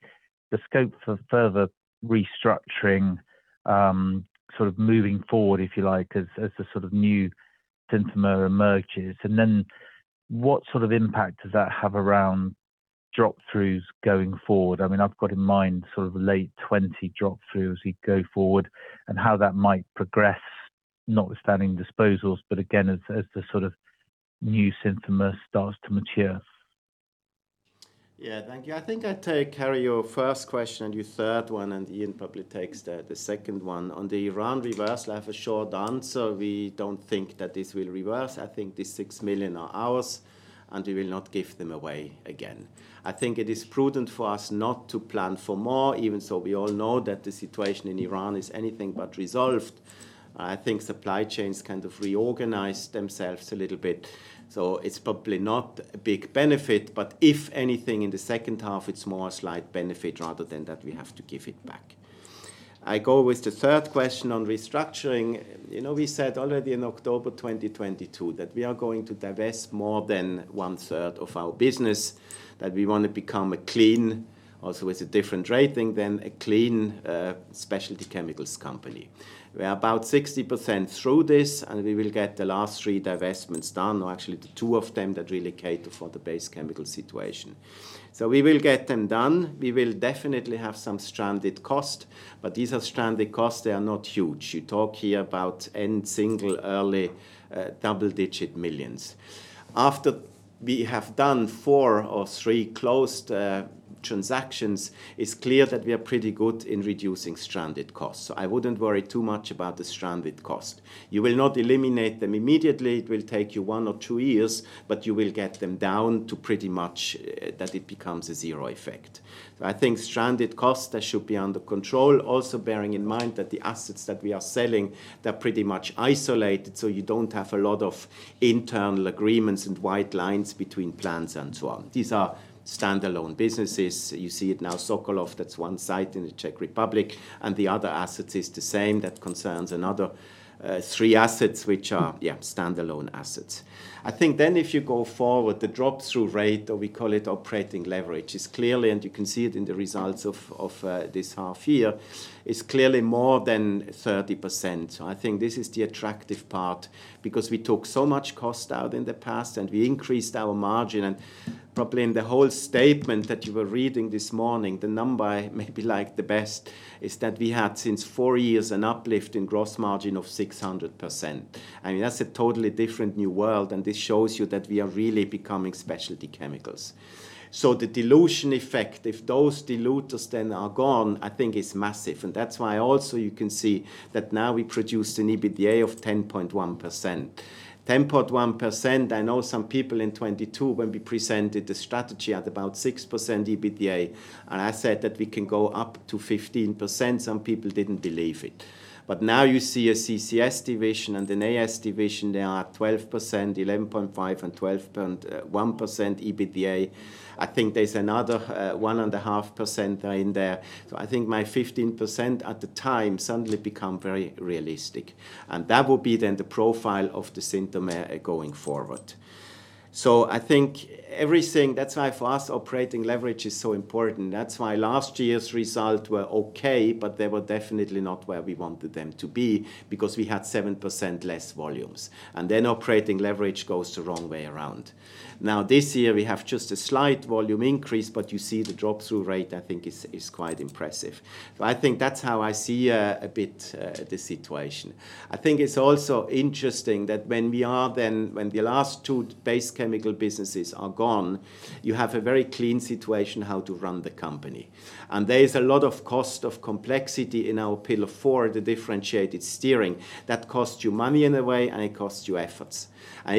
the scope for further restructuring, sort of moving forward, if you like, as the sort of new Synthomer emerges, and then what sort of impact does that have around drop-throughs going forward? I've got in mind sort of late 2020 drop-through as we go forward and how that might progress notwithstanding disposals, but again, as the sort of new Synthomer starts to mature. Yeah. Thank you. I think I take Harry your first question and your third one, and Iain probably takes the second one. On the Iran reversal, I have a short answer. We don't think that this will reverse. I think the 6 million are ours and we will not give them away again. I think it is prudent for us not to plan for more, even so we all know that the situation in Iran is anything but resolved. I think supply chains kind of reorganized themselves a little bit. It's probably not a big benefit, but if anything in the second half, it's more a slight benefit rather than that we have to give it back. I go with the third question on restructuring. We said already in October 2022 that we are going to divest more than one third of our business, that we want to become a clean, also with a different rating than a clean specialty chemicals company. We are about 60% through this, we will get the last three divestments done. Actually, the two of them that really cater for the base chemical situation. We will get them done. We will definitely have some stranded cost, but these are stranded costs. They are not huge. You talk here about in single early double-digit millions. After we have done four or three closed transactions, it's clear that we are pretty good in reducing stranded costs. I wouldn't worry too much about the stranded cost. You will not eliminate them immediately. It will take you one or two years, but you will get them down to pretty much that it becomes a zero effect. I think stranded costs should be under control. Also bearing in mind that the assets that we are selling, they're pretty much isolated, so you don't have a lot of internal agreements and white lines between plants and so on. These are standalone businesses. You see it now, Sokolov, that's one site in the Czech Republic, the other asset is the same. That concerns another three assets, which are standalone assets. I think if you go forward, the drop-through rate, or we call it operating leverage, is clearly, and you can see it in the results of this half year, is clearly more than 30%. I think this is the attractive part because we took so much cost out in the past, we increased our margin. Probably in the whole statement that you were reading this morning, the number I maybe like the best is that we had since four years an uplift in gross margin of 600%. That's a totally different new world, this shows you that we are really becoming specialty chemicals. The dilution effect, if those diluters then are gone, I think is massive. That's why also you can see that now we produce an EBITDA of 10.1%. 10.1%, I know some people in 2022, when we presented the strategy at about 6% EBITDA, I said that we can go up to 15%, some people didn't believe it. Now you see a CCS division and an AS division. They are at 12%, 11.5%, and 12.1% EBITDA. I think there's another 1.5% in there. I think my 15% at the time suddenly become very realistic, and that will be then the profile of the Synthomer going forward. That's why for us, operating leverage is so important. That's why last year's result were okay, but they were definitely not where we wanted them to be because we had 7% less volumes. Operating leverage goes the wrong way around. This year, we have just a slight volume increase, but you see the drop-through rate I think is quite impressive. I think that's how I see a bit the situation. I think it's also interesting that when the last two base chemical businesses are gone, you have a very clean situation how to run the company. There is a lot of cost of complexity in our pillar four, the differentiated steering. That costs you money in a way, and it costs you efforts.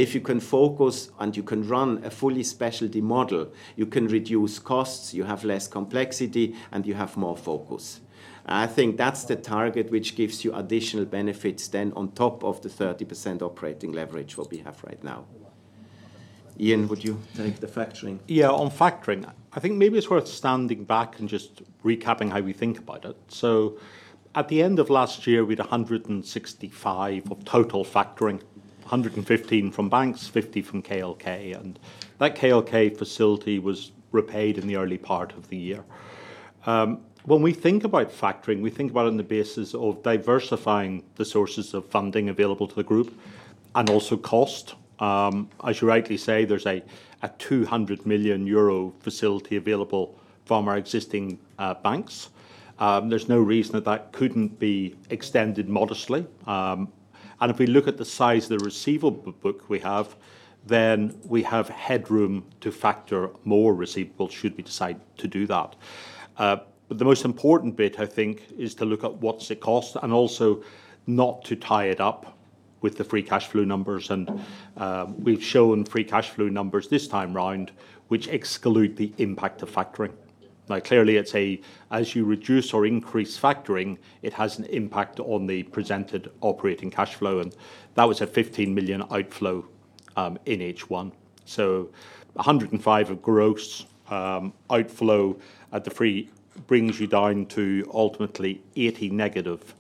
If you can focus and you can run a fully specialty model, you can reduce costs, you have less complexity, and you have more focus. I think that's the target which gives you additional benefits then on top of the 30% operating leverage what we have right now. Iain, would you take the factoring? On factoring, I think maybe it's worth standing back and just recapping how we think about it. At the end of last year, we had 165 of total factoring, 115 from banks, 50 from KLK. That KLK facility was repaid in the early part of the year. When we think about factoring, we think about it on the basis of diversifying the sources of funding available to the group and also cost. As you rightly say, there's a 200 million euro facility available from our existing banks. There's no reason that that couldn't be extended modestly. If we look at the size of the receivable book we have, then we have headroom to factor more receivables should we decide to do that. The most important bit, I think, is to look at what's it cost and also not to tie it up with the free cash flow numbers. We've shown free cash flow numbers this time round, which exclude the impact of factoring. Clearly, as you reduce or increase factoring, it has an impact on the presented operating cash flow, and that was a 15 million outflow in H1. 105 of gross outflow at the free brings you down to ultimately 80 negative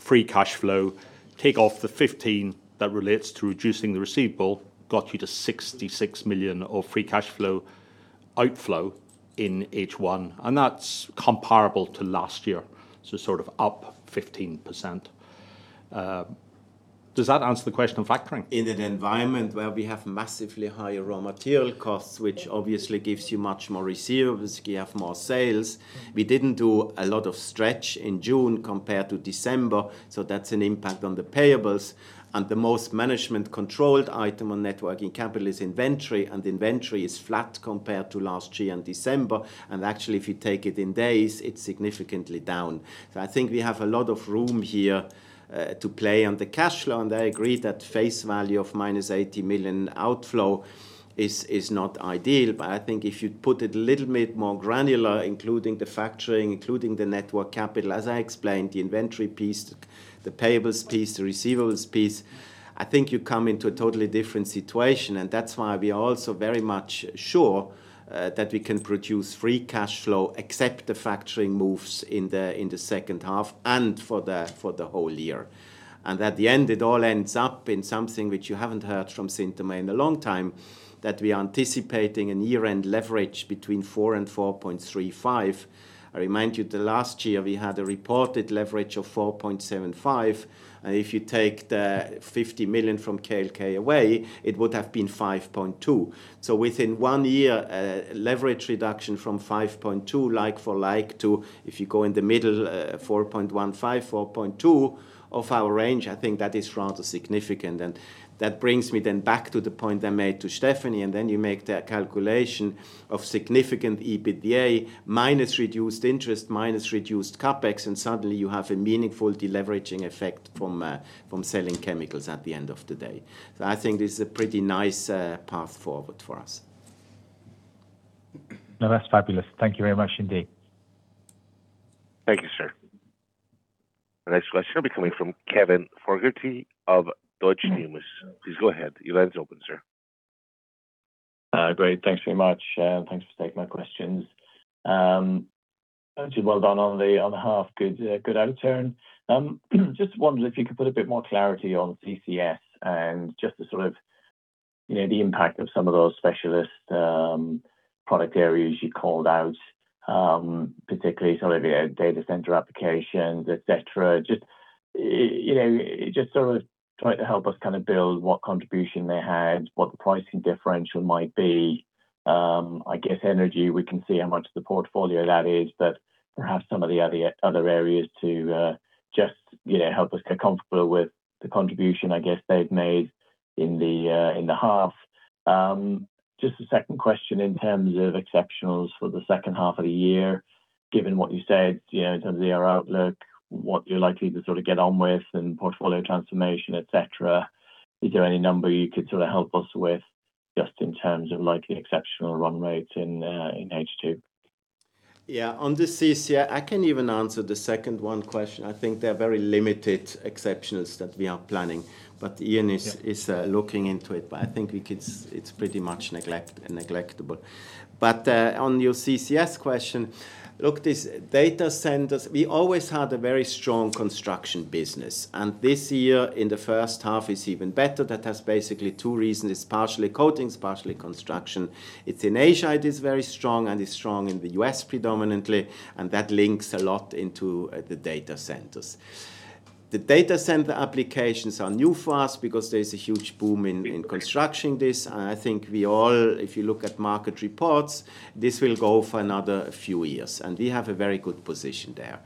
free cash flow. Take off the 15 that relates to reducing the receivable got you to 66 million of free cash flow outflow in H1, that's comparable to last year. Sort of up 15%. Does that answer the question of factoring? In an environment where we have massively higher raw material costs, which obviously gives you much more receivables, you have more sales. We didn't do a lot of stretch in June compared to December, so that's an impact on the payables. The most management-controlled item on net working capital is inventory is flat compared to last year in December. Actually, if you take it in days, it's significantly down. I think we have a lot of room here to play on the cash flow, I agree that face value of minus 80 million outflow is not ideal. I think if you put it a little bit more granular, including the factoring, including the net working capital, as I explained, the inventory piece, the payables piece, the receivables piece, I think you come into a totally different situation. That's why we are also very much sure that we can produce free cash flow except the factoring moves in the second half and for the whole year. At the end, it all ends up in something which you haven't heard from Synthomer in a long time, that we are anticipating an year-end leverage between 4.0 and 4.35. I remind you that last year we had a reported leverage of 4.75, and if you take the 50 million from KLK away, it would have been 5.2. Within one year, leverage reduction from 5.2, like for like, to, if you go in the middle, 4.15, 4.2 of our range, I think that is rather significant. That brings me then back to the point I made to Stephanie, then you make the calculation of significant EBITDA, minus reduced interest, minus reduced CapEx, suddenly you have a meaningful deleveraging effect from selling chemicals at the end of the day. I think this is a pretty nice path forward for us. No, that's fabulous. Thank you very much indeed. Thank you, sir. The next question will be coming from Kevin Fogarty of Deutsche Numis. Please go ahead. Your line's open, sir. Great. Thanks very much, thanks for taking my questions. Actually, well done on the half. Good outturn. Just wondered if you could put a bit more clarity on CCS and just the impact of some of those specialist product areas you called out, particularly some of your data center applications, et cetera. Just trying to help us build what contribution they had, what the pricing differential might be. I guess energy, we can see how much of the portfolio that is, but perhaps some of the other areas to just help us get comfortable with the contribution I guess they've made in the half. Just a second question in terms of exceptionals for the second half of the year, given what you said in terms of the outlook, what you're likely to get on with and portfolio transformation, et cetera. Is there any number you could help us with just in terms of likely exceptional run rates in H2? Yeah. On the CCS, I can even answer the second one question. I think there are very limited exceptionals that we are planning. Iain is looking into it. I think it's pretty much negligible. On your CCS question, look, these data centers, we always had a very strong construction business, this year in the first half is even better. That has basically two reasons. It's partially coatings, partially construction. It's in Asia, it is very strong, is strong in the U.S. predominantly, that links a lot into the data centers. The data center applications are new for us because there's a huge boom in constructing this, I think we all, if you look at market reports, this will go for another few years, we have a very good position there.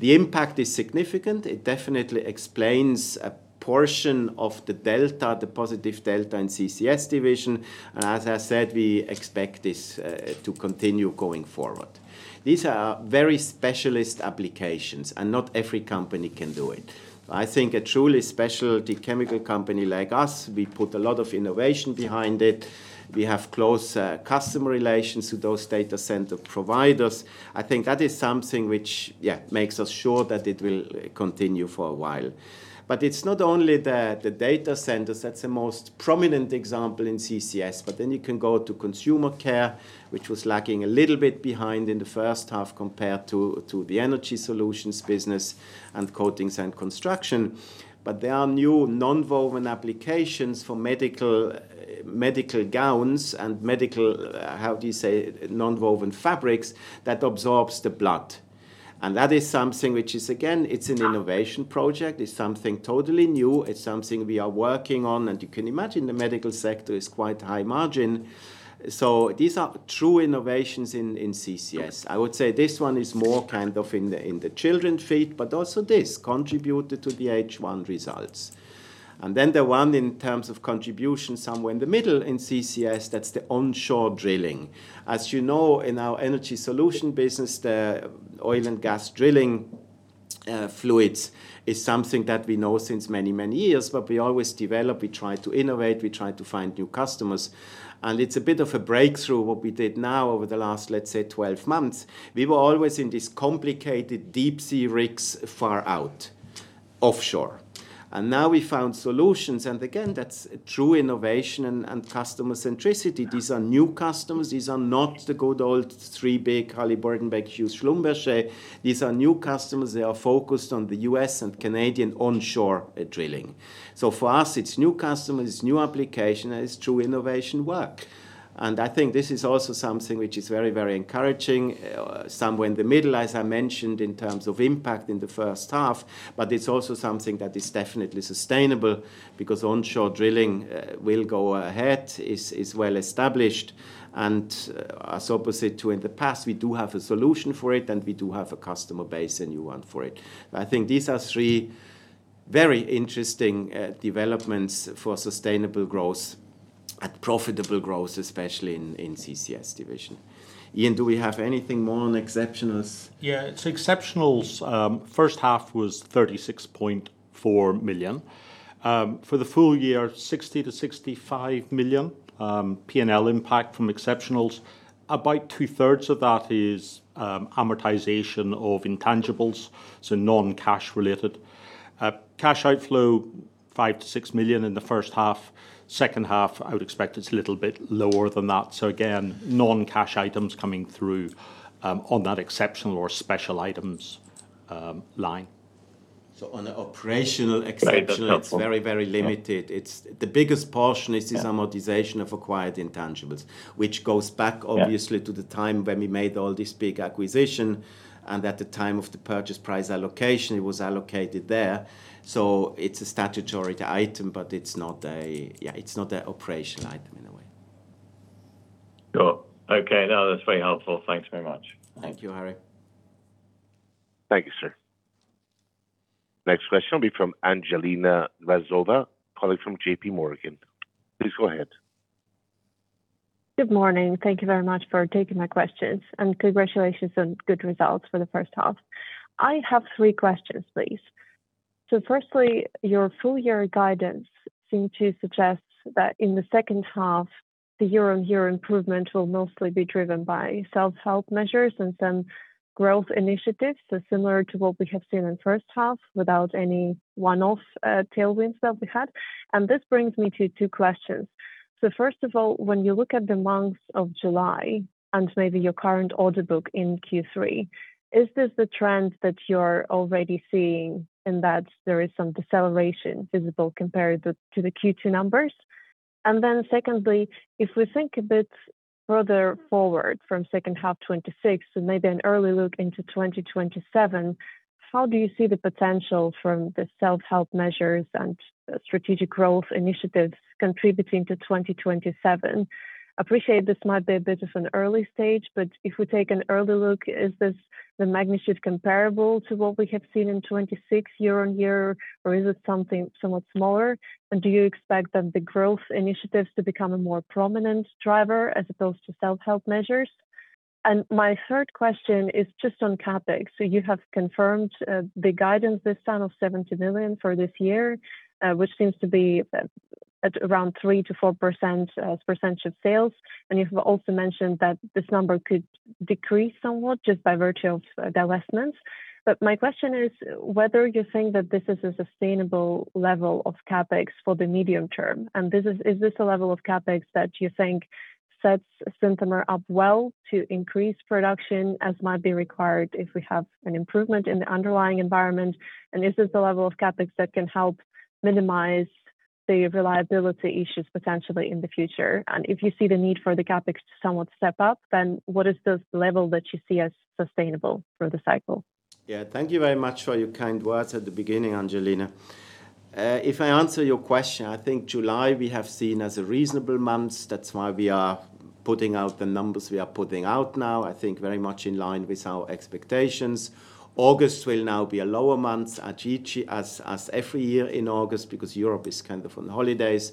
The impact is significant. It definitely explains a portion of the delta, the positive delta in CCS division. As I said, we expect this to continue going forward. These are very specialist applications, not every company can do it. I think a truly specialty chemical company like us, we put a lot of innovation behind it. We have close customer relations to those data center providers. I think that is something which makes us sure that it will continue for a while. It's not only the data centers that's the most prominent example in CCS. Then you can go to Consumer Care, which was lagging a little bit behind in the first half compared to the Energy Solutions business and Coatings & Construction. There are new nonwoven applications for medical gowns and medical, how do you say, nonwoven fabrics that absorbs the blood. That is something which is, again, it's an innovation project. It's something totally new. It's something we are working on. You can imagine the medical sector is quite high margin. These are true innovations in CCS. I would say this one is more kind of in the children's feet. Also this contributed to the H1 results. The one in terms of contribution somewhere in the middle in CCS, that's the onshore drilling. As you know, in our Energy Solutions business, the oil and gas drilling fluids is something that we know since many, many years, we always develop, we try to innovate, we try to find new customers. It's a bit of a breakthrough what we did now over the last, let's say, 12 months. We were always in these complicated deep sea rigs far out offshore. Now we found solutions. Again, that's true innovation and customer centricity. These are new customers. These are not the good old three big, Halliburton, Baker Hughes, Schlumberger. These are new customers. They are focused on the U.S. and Canadian onshore drilling. For us, it's new customers, new application, it's true innovation work. I think this is also something which is very encouraging. Somewhere in the middle, as I mentioned, in terms of impact in the first half. It's also something that is definitely sustainable because onshore drilling will go ahead. It's well established. As opposite to in the past, we do have a solution for it, we do have a customer base, a new one for it. I think these are three very interesting developments for sustainable growth and profitable growth, especially in CCS division. Iain, do we have anything more on exceptionals? Exceptionals, first half was 36.4 million. For the full year, 60 million-65 million P&L impact from exceptionals. About two-thirds of that is amortization of intangibles, non-cash related. Cash outflow 5 million-6 million in the first half. Second half, I would expect it's a little bit lower than that. Again, non-cash items coming through on that exceptional or special items line. On the operational exceptional it's very limited. The biggest portion is this amortization of acquired intangibles, which goes back obviously to the time when we made all this big acquisition, and at the time of the purchase price allocation, it was allocated there. It's a statutory item, but it's not an operational item in a way. Sure. Okay. That's very helpful. Thanks very much. Thank you, Harry. Thank you, sir. Next question will be from Angelina Glazova, calling from JPMorgan. Please go ahead. Good morning. Thank you very much for taking my questions, and congratulations on good results for the first half. I have three questions, please. Firstly, your full year guidance seems to suggest that in the second half, the year-on-year improvement will mostly be driven by self-help measures and some growth initiatives. Similar to what we have seen in first half without any one-off tailwinds that we had. This brings me to two questions. First of all, when you look at the month of July and maybe your current order book in Q3, is this the trend that you're already seeing in that there is some deceleration visible compared to the Q2 numbers? Secondly, if we think a bit further forward from second half 2026 and maybe an early look into 2027, how do you see the potential from the self-help measures and strategic growth initiatives contributing to 2027? Appreciate this might be a bit of an early stage, but if we take an early look, is this the magnitude comparable to what we have seen in 2026 year-over-year, or is it something somewhat smaller? Do you expect that the growth initiatives to become a more prominent driver as opposed to self-help measures? My third question is just on CapEx. You have confirmed the guidance this time of 70 million for this year, which seems to be at around 3%-4% as percentage of sales. You have also mentioned that this number could decrease somewhat just by virtue of divestments. My question is whether you think that this is a sustainable level of CapEx for the medium term, and is this a level of CapEx that you think sets Synthomer up well to increase production as might be required if we have an improvement in the underlying environment? Is this the level of CapEx that can help minimize the reliability issues potentially in the future? If you see the need for the CapEx to somewhat step up, what is the level that you see as sustainable for the cycle? Thank you very much for your kind words at the beginning, Angelina. If I answer your question, July, we have seen as a reasonable month. That's why we are putting out the numbers we are putting out now, very much in line with our expectations. August will now be a lower month as every year in August because Europe is kind of on holidays.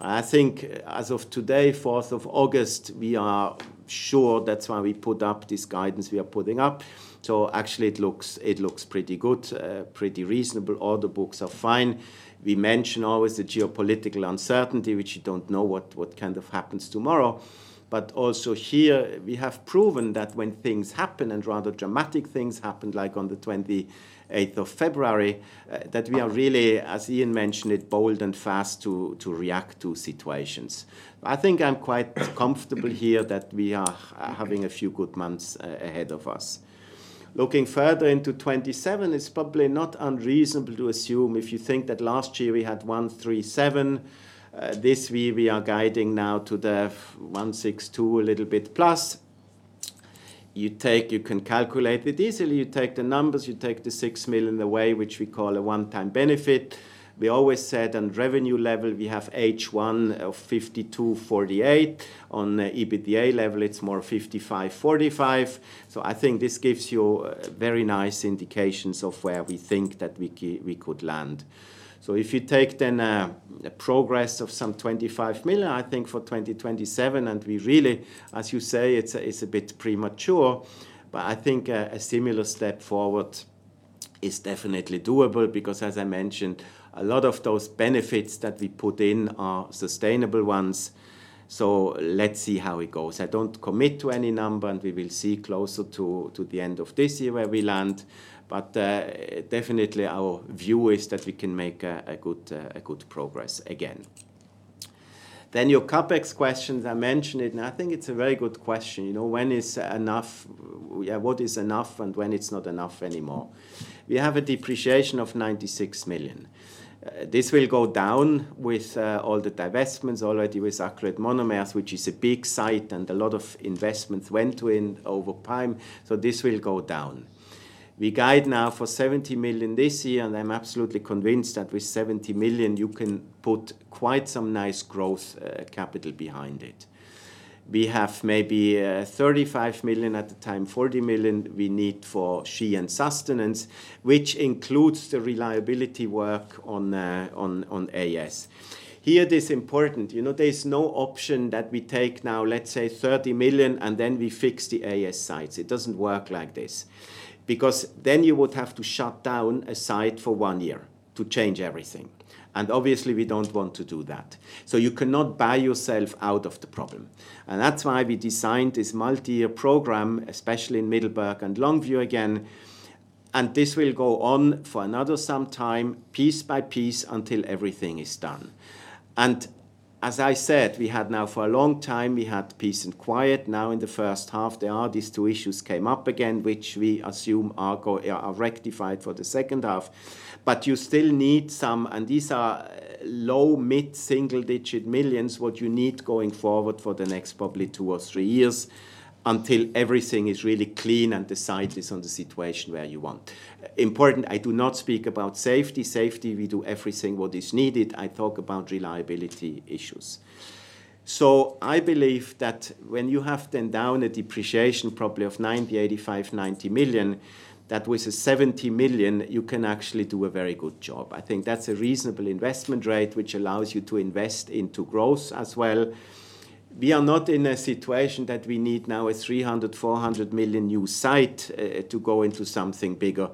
As of today, 4th of August, we are sure that's why we put up this guidance we are putting up. Actually it looks pretty good, pretty reasonable. Order books are fine. We mention always the geopolitical uncertainty, which you don't know what kind of happens tomorrow. Also here we have proven that when things happen and rather dramatic things happen like on the 28th of February, that we are really, as Iain mentioned it, bold and fast to react to situations. I am quite comfortable here that we are having a few good months ahead of us. Looking further into 2027, it is probably not unreasonable to assume if you think that last year we had 137 million. This year we are guiding now to the 162 million a little bit plus. You can calculate it easily. You take the numbers, you take the 6 million away, which we call a one-time benefit. We always said on revenue level, we have H1 of 52/48. On EBITDA level it is more 55/45. This gives you very nice indications of where we think that we could land. If you take a progress of some 25 million, I think for 2027, we really, as you say, it's a bit premature, I think a similar step forward is definitely doable because as I mentioned, a lot of those benefits that we put in are sustainable ones. Let's see how it goes. I do not commit to any number, we will see closer to the end of this year where we land. Definitely our view is that we can make a good progress again. Your CapEx questions, I mentioned it, and I think it's a very good question. When is enough? What is enough and when it's not enough anymore? We have a depreciation of 96 million. This will go down with all the divestments already with Acrylate Monomers, which is a big site and a lot of investments went in over time. This will go down. We guide now for 70 million this year, I am absolutely convinced that with 70 million you can put quite some nice growth capital behind it. We have maybe 35 million at the time, 40 million we need for SHE and sustenance, which includes the reliability work on AS. Here it is important. There is no option that we take now, let's say 30 million and then we fix the AS sites. It does not work like this. Then you would have to shut down a site for one year to change everything. Obviously we do not want to do that. You cannot buy yourself out of the problem. That is why we designed this multi-year program, especially in Middelburg and Longview again, this will go on for another some time, piece by piece until everything is done. As I said, we had now for a long time, we had peace and quiet. Now in the first half, these two issues came up again, which we assume are rectified for the second half. You still need some, and these are low mid-single-digit millions, what you need going forward for the next probably two or three years until everything is really clean and the site is on the situation where you want. Important, I do not speak about safety. Safety, we do everything what is needed. I talk about reliability issues. I believe that when you have then down a depreciation probably of 85 million, 90 million, that with a 70 million, you can actually do a very good job. I think that is a reasonable investment rate, which allows you to invest into growth as well. We are not in a situation that we need now a 300 million, 400 million new site to go into something bigger.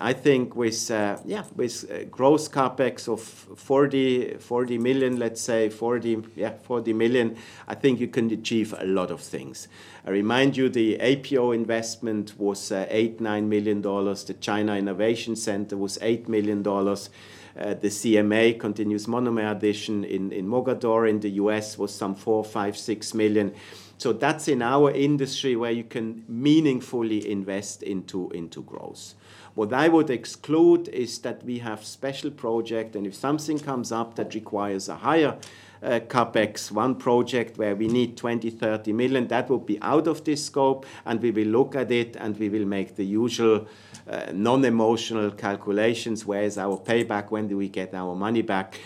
I think with gross CapEx of 40 million, let's say 40 million, I think you can achieve a lot of things. I remind you the APO investment was $89 million. The China Innovation Center was $8 million. The CMA, continuous monomer addition in Mogadore in the U.S. was some four, five, six million. That is in our industry where you can meaningfully invest into growth. What I would exclude is that we have special project, if something comes up that requires a higher CapEx, one project where we need 20 million, 30 million, that will be out of this scope, we will look at it, we will make the usual non-emotional calculations. Where is our payback? When do we get our money back?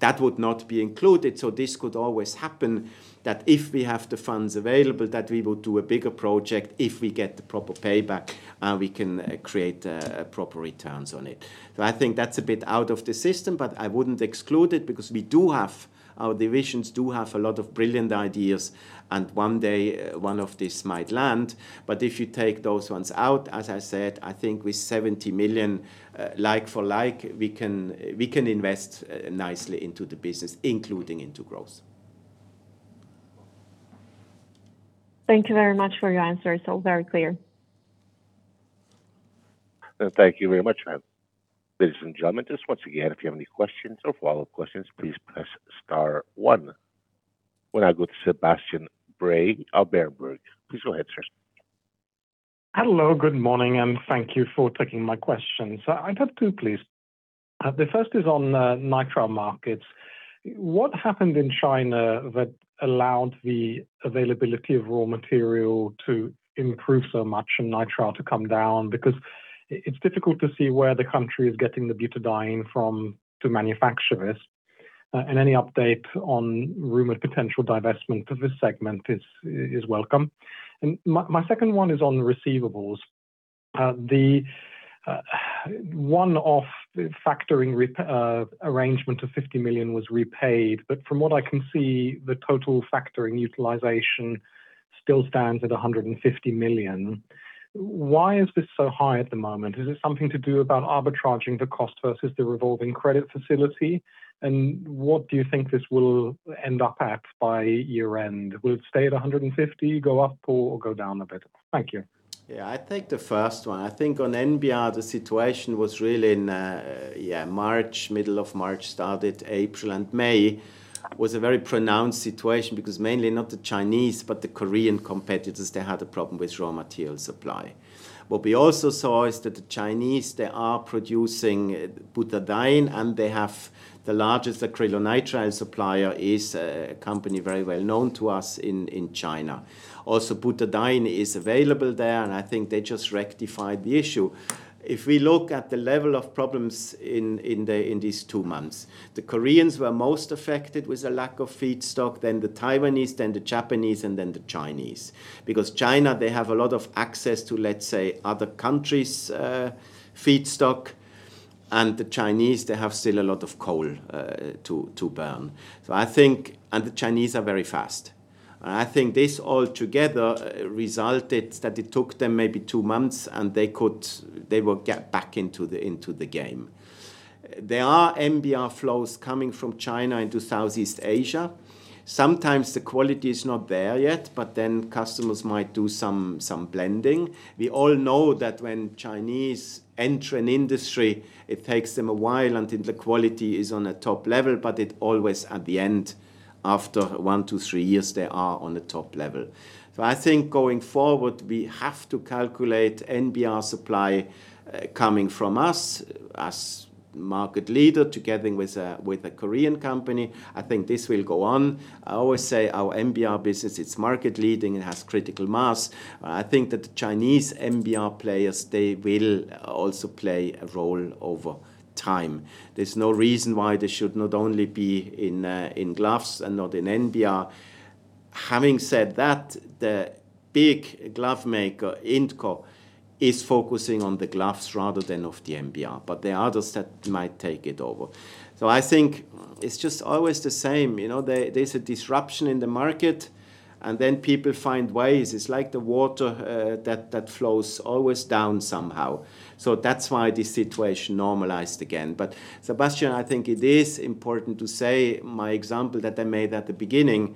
That would not be included. This could always happen that if we have the funds available, that we will do a bigger project. If we get the proper payback, we can create proper returns on it. I think that's a bit out of the system, but I wouldn't exclude it because our divisions do have a lot of brilliant ideas, and one day one of these might land. If you take those ones out, as I said, I think with 70 million, like for like, we can invest nicely into the business, including into growth. Thank you very much for your answer. It's all very clear. Thank you very much. Ladies and gentlemen, just once again, if you have any questions or follow-up questions, please press star one. We'll now go to Sebastian Bray of Berenberg. Please go ahead, sir. Hello, good morning, and thank you for taking my questions. I'd have two, please. The first is on nitrile markets. What happened in China that allowed the availability of raw material to improve so much and nitrile to come down? Because it's difficult to see where the country is getting the butadiene from to manufacture this. Any update on rumored potential divestment of this segment is welcome. My second one is on receivables. The one-off factoring arrangement of 50 million was repaid, but from what I can see, the total factoring utilization still stands at 150 million. Why is this so high at the moment? Is it something to do about arbitraging the cost versus the revolving credit facility? What do you think this will end up at by year-end? Will it stay at 150, go up, or go down a bit? Thank you. Yeah. I take the first one. I think on NBR, the situation was really in March, middle of March, started April and May, was a very pronounced situation because mainly not the Chinese, but the Korean competitors, they had a problem with raw material supply. What we also saw is that the Chinese, they are producing butadiene, and the largest acrylonitrile supplier is a company very well known to us in China. Also, butadiene is available there, and I think they just rectified the issue. If we look at the level of problems in these two months, the Koreans were most affected with a lack of feedstock, then the Taiwanese, then the Japanese, and then the Chinese. Because China, they have a lot of access to, let's say, other countries' feedstock. The Chinese, they have still a lot of coal to burn. The Chinese are very fast. I think this all together resulted that it took them maybe two months, and they will get back into the game. There are NBR flows coming from China into Southeast Asia. Sometimes the quality is not there yet, but then customers might do some blending. We all know that when Chinese enter an industry, it takes them a while until the quality is on a top level, but it always at the end, after one to three years, they are on the top level. I think going forward, we have to calculate NBR supply coming from us as market leader together with a Korean company. I think this will go on. I always say our NBR business, it's market leading and has critical mass. I think that the Chinese NBR players, they will also play a role over time. There's no reason why they should not only be in gloves and not in NBR. Having said that, the big glove maker, Intco, is focusing on the gloves rather than of the NBR, but there are others that might take it over. I think it's just always the same. There's a disruption in the market, and then people find ways. It's like the water that flows always down somehow. That's why this situation normalized again. Sebastian, I think it is important to say my example that I made at the beginning,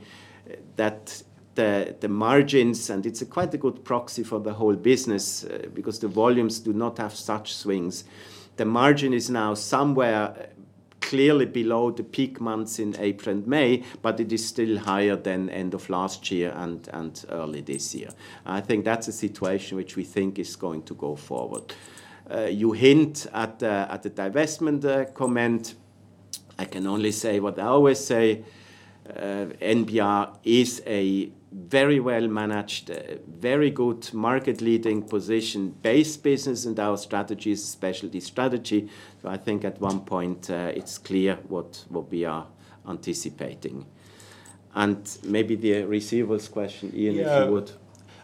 that the margins, and it's quite a good proxy for the whole business because the volumes do not have such swings. The margin is now somewhere clearly below the peak months in April and May, but it is still higher than end of last year and early this year. I think that is a situation which we think is going to go forward. You hint at the divestment comment. I can only say what I always say. NBR is a very well managed, very good market leading position-based business, and our strategy is specialty strategy. I think at one point it is clear what we are anticipating. Maybe the receivables question, Iain, if you would. Yeah.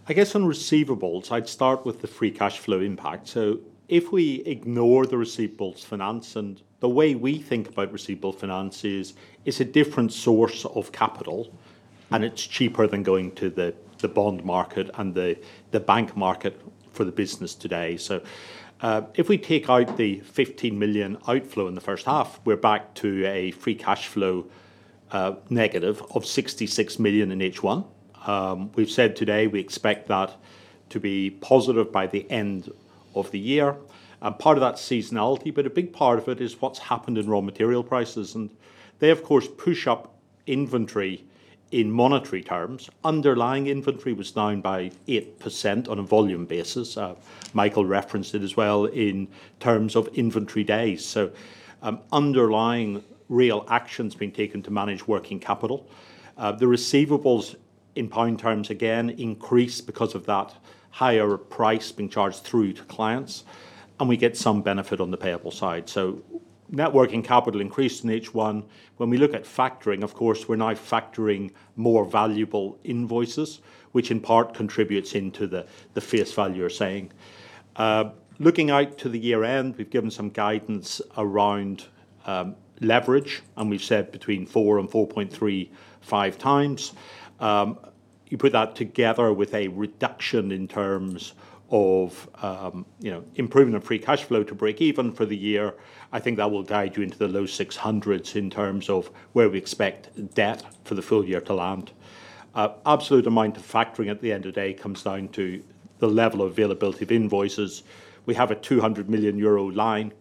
I guess on receivables, I would start with the free cash flow impact. If we ignore the receivables finance, and the way we think about receivable finance is a different source of capital, and it is cheaper than going to the bond market and the bank market for the business today. If we take out the 15 million outflow in the first half, we are back to a free cash flow negative of 66 million in H1. We have said today we expect that to be positive by the end of the year. Part of that is seasonality, but a big part of it is what has happened in raw material prices. They, of course, push up inventory in monetary terms. Underlying inventory was down by 8% on a volume basis. Michael referenced it as well in terms of inventory days. Underlying real action is being taken to manage working capital. The receivables in GBP terms, again, increase because of that higher price being charged through to clients, and we get some benefit on the payable side. Net working capital increased in H1. When we look at factoring, of course, we are now factoring more valuable invoices, which in part contributes into the face value you are saying. Looking out to the year end, we have given some guidance around leverage, and we have said between 4 and 4.35x. You put that together with a reduction in terms of improvement of free cash flow to break even for the year. I think that will guide you into the low 600s in terms of where we expect debt for the full year to land. Absolute amount of factoring at the end of the day comes down to the level of availability of invoices. We have a 200 million euro line.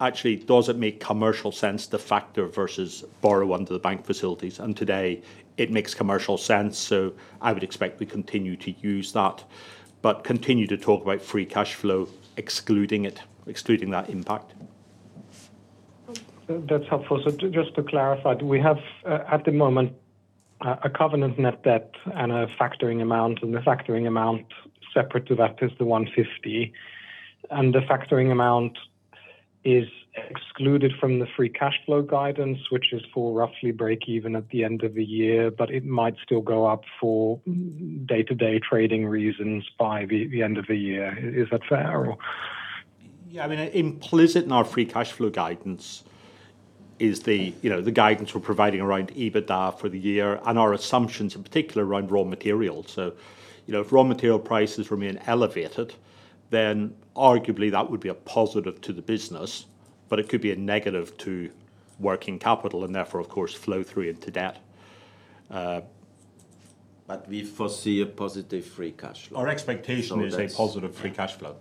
Actually, does it make commercial sense to factor versus borrow under the bank facilities? Today it makes commercial sense. I would expect we continue to use that. Continue to talk about free cash flow excluding it, excluding that impact. That is helpful. Just to clarify, do we have at the moment a covenant net debt and a factoring amount, the factoring amount separate to that is the 150. The factoring amount is excluded from the free cash flow guidance, which is for roughly break even at the end of the year, but it might still go up for day-to-day trading reasons by the end of the year. Is that fair? Yeah. Implicit in our free cash flow guidance is the guidance we are providing around EBITDA for the year and our assumptions in particular around raw materials. If raw material prices remain elevated, then arguably that would be a positive to the business, but it could be a negative to working capital and therefore of course flow through into debt. We foresee a positive free cash flow. Our expectation is a positive free cash flow.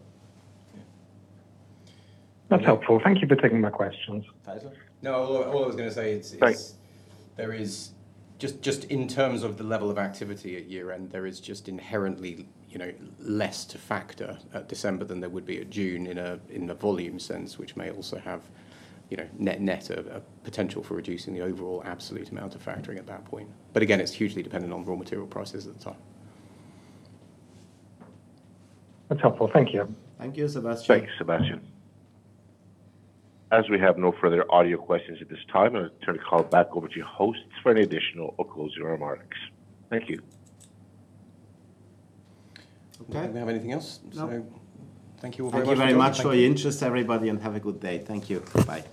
That is helpful. Thank you for taking my questions. Faisal? No, all I was going to say. Just in terms of the level of activity at year end, there is just inherently less to factor at December than there would be at June in the volume sense, which may also have net of potential for reducing the overall absolute amount of factoring at that point. Again, it is hugely dependent on raw material prices at the time. That is helpful. Thank you. Thank you, Sebastian. Thank you, Sebastian. As we have no further audio questions at this time, I will turn the call back over to your hosts for any additional or closing remarks. Thank you. Okay. We don't have anything else? No. Thank you all very much. Thank you very much for your interest, everybody, and have a good day. Thank you. Bye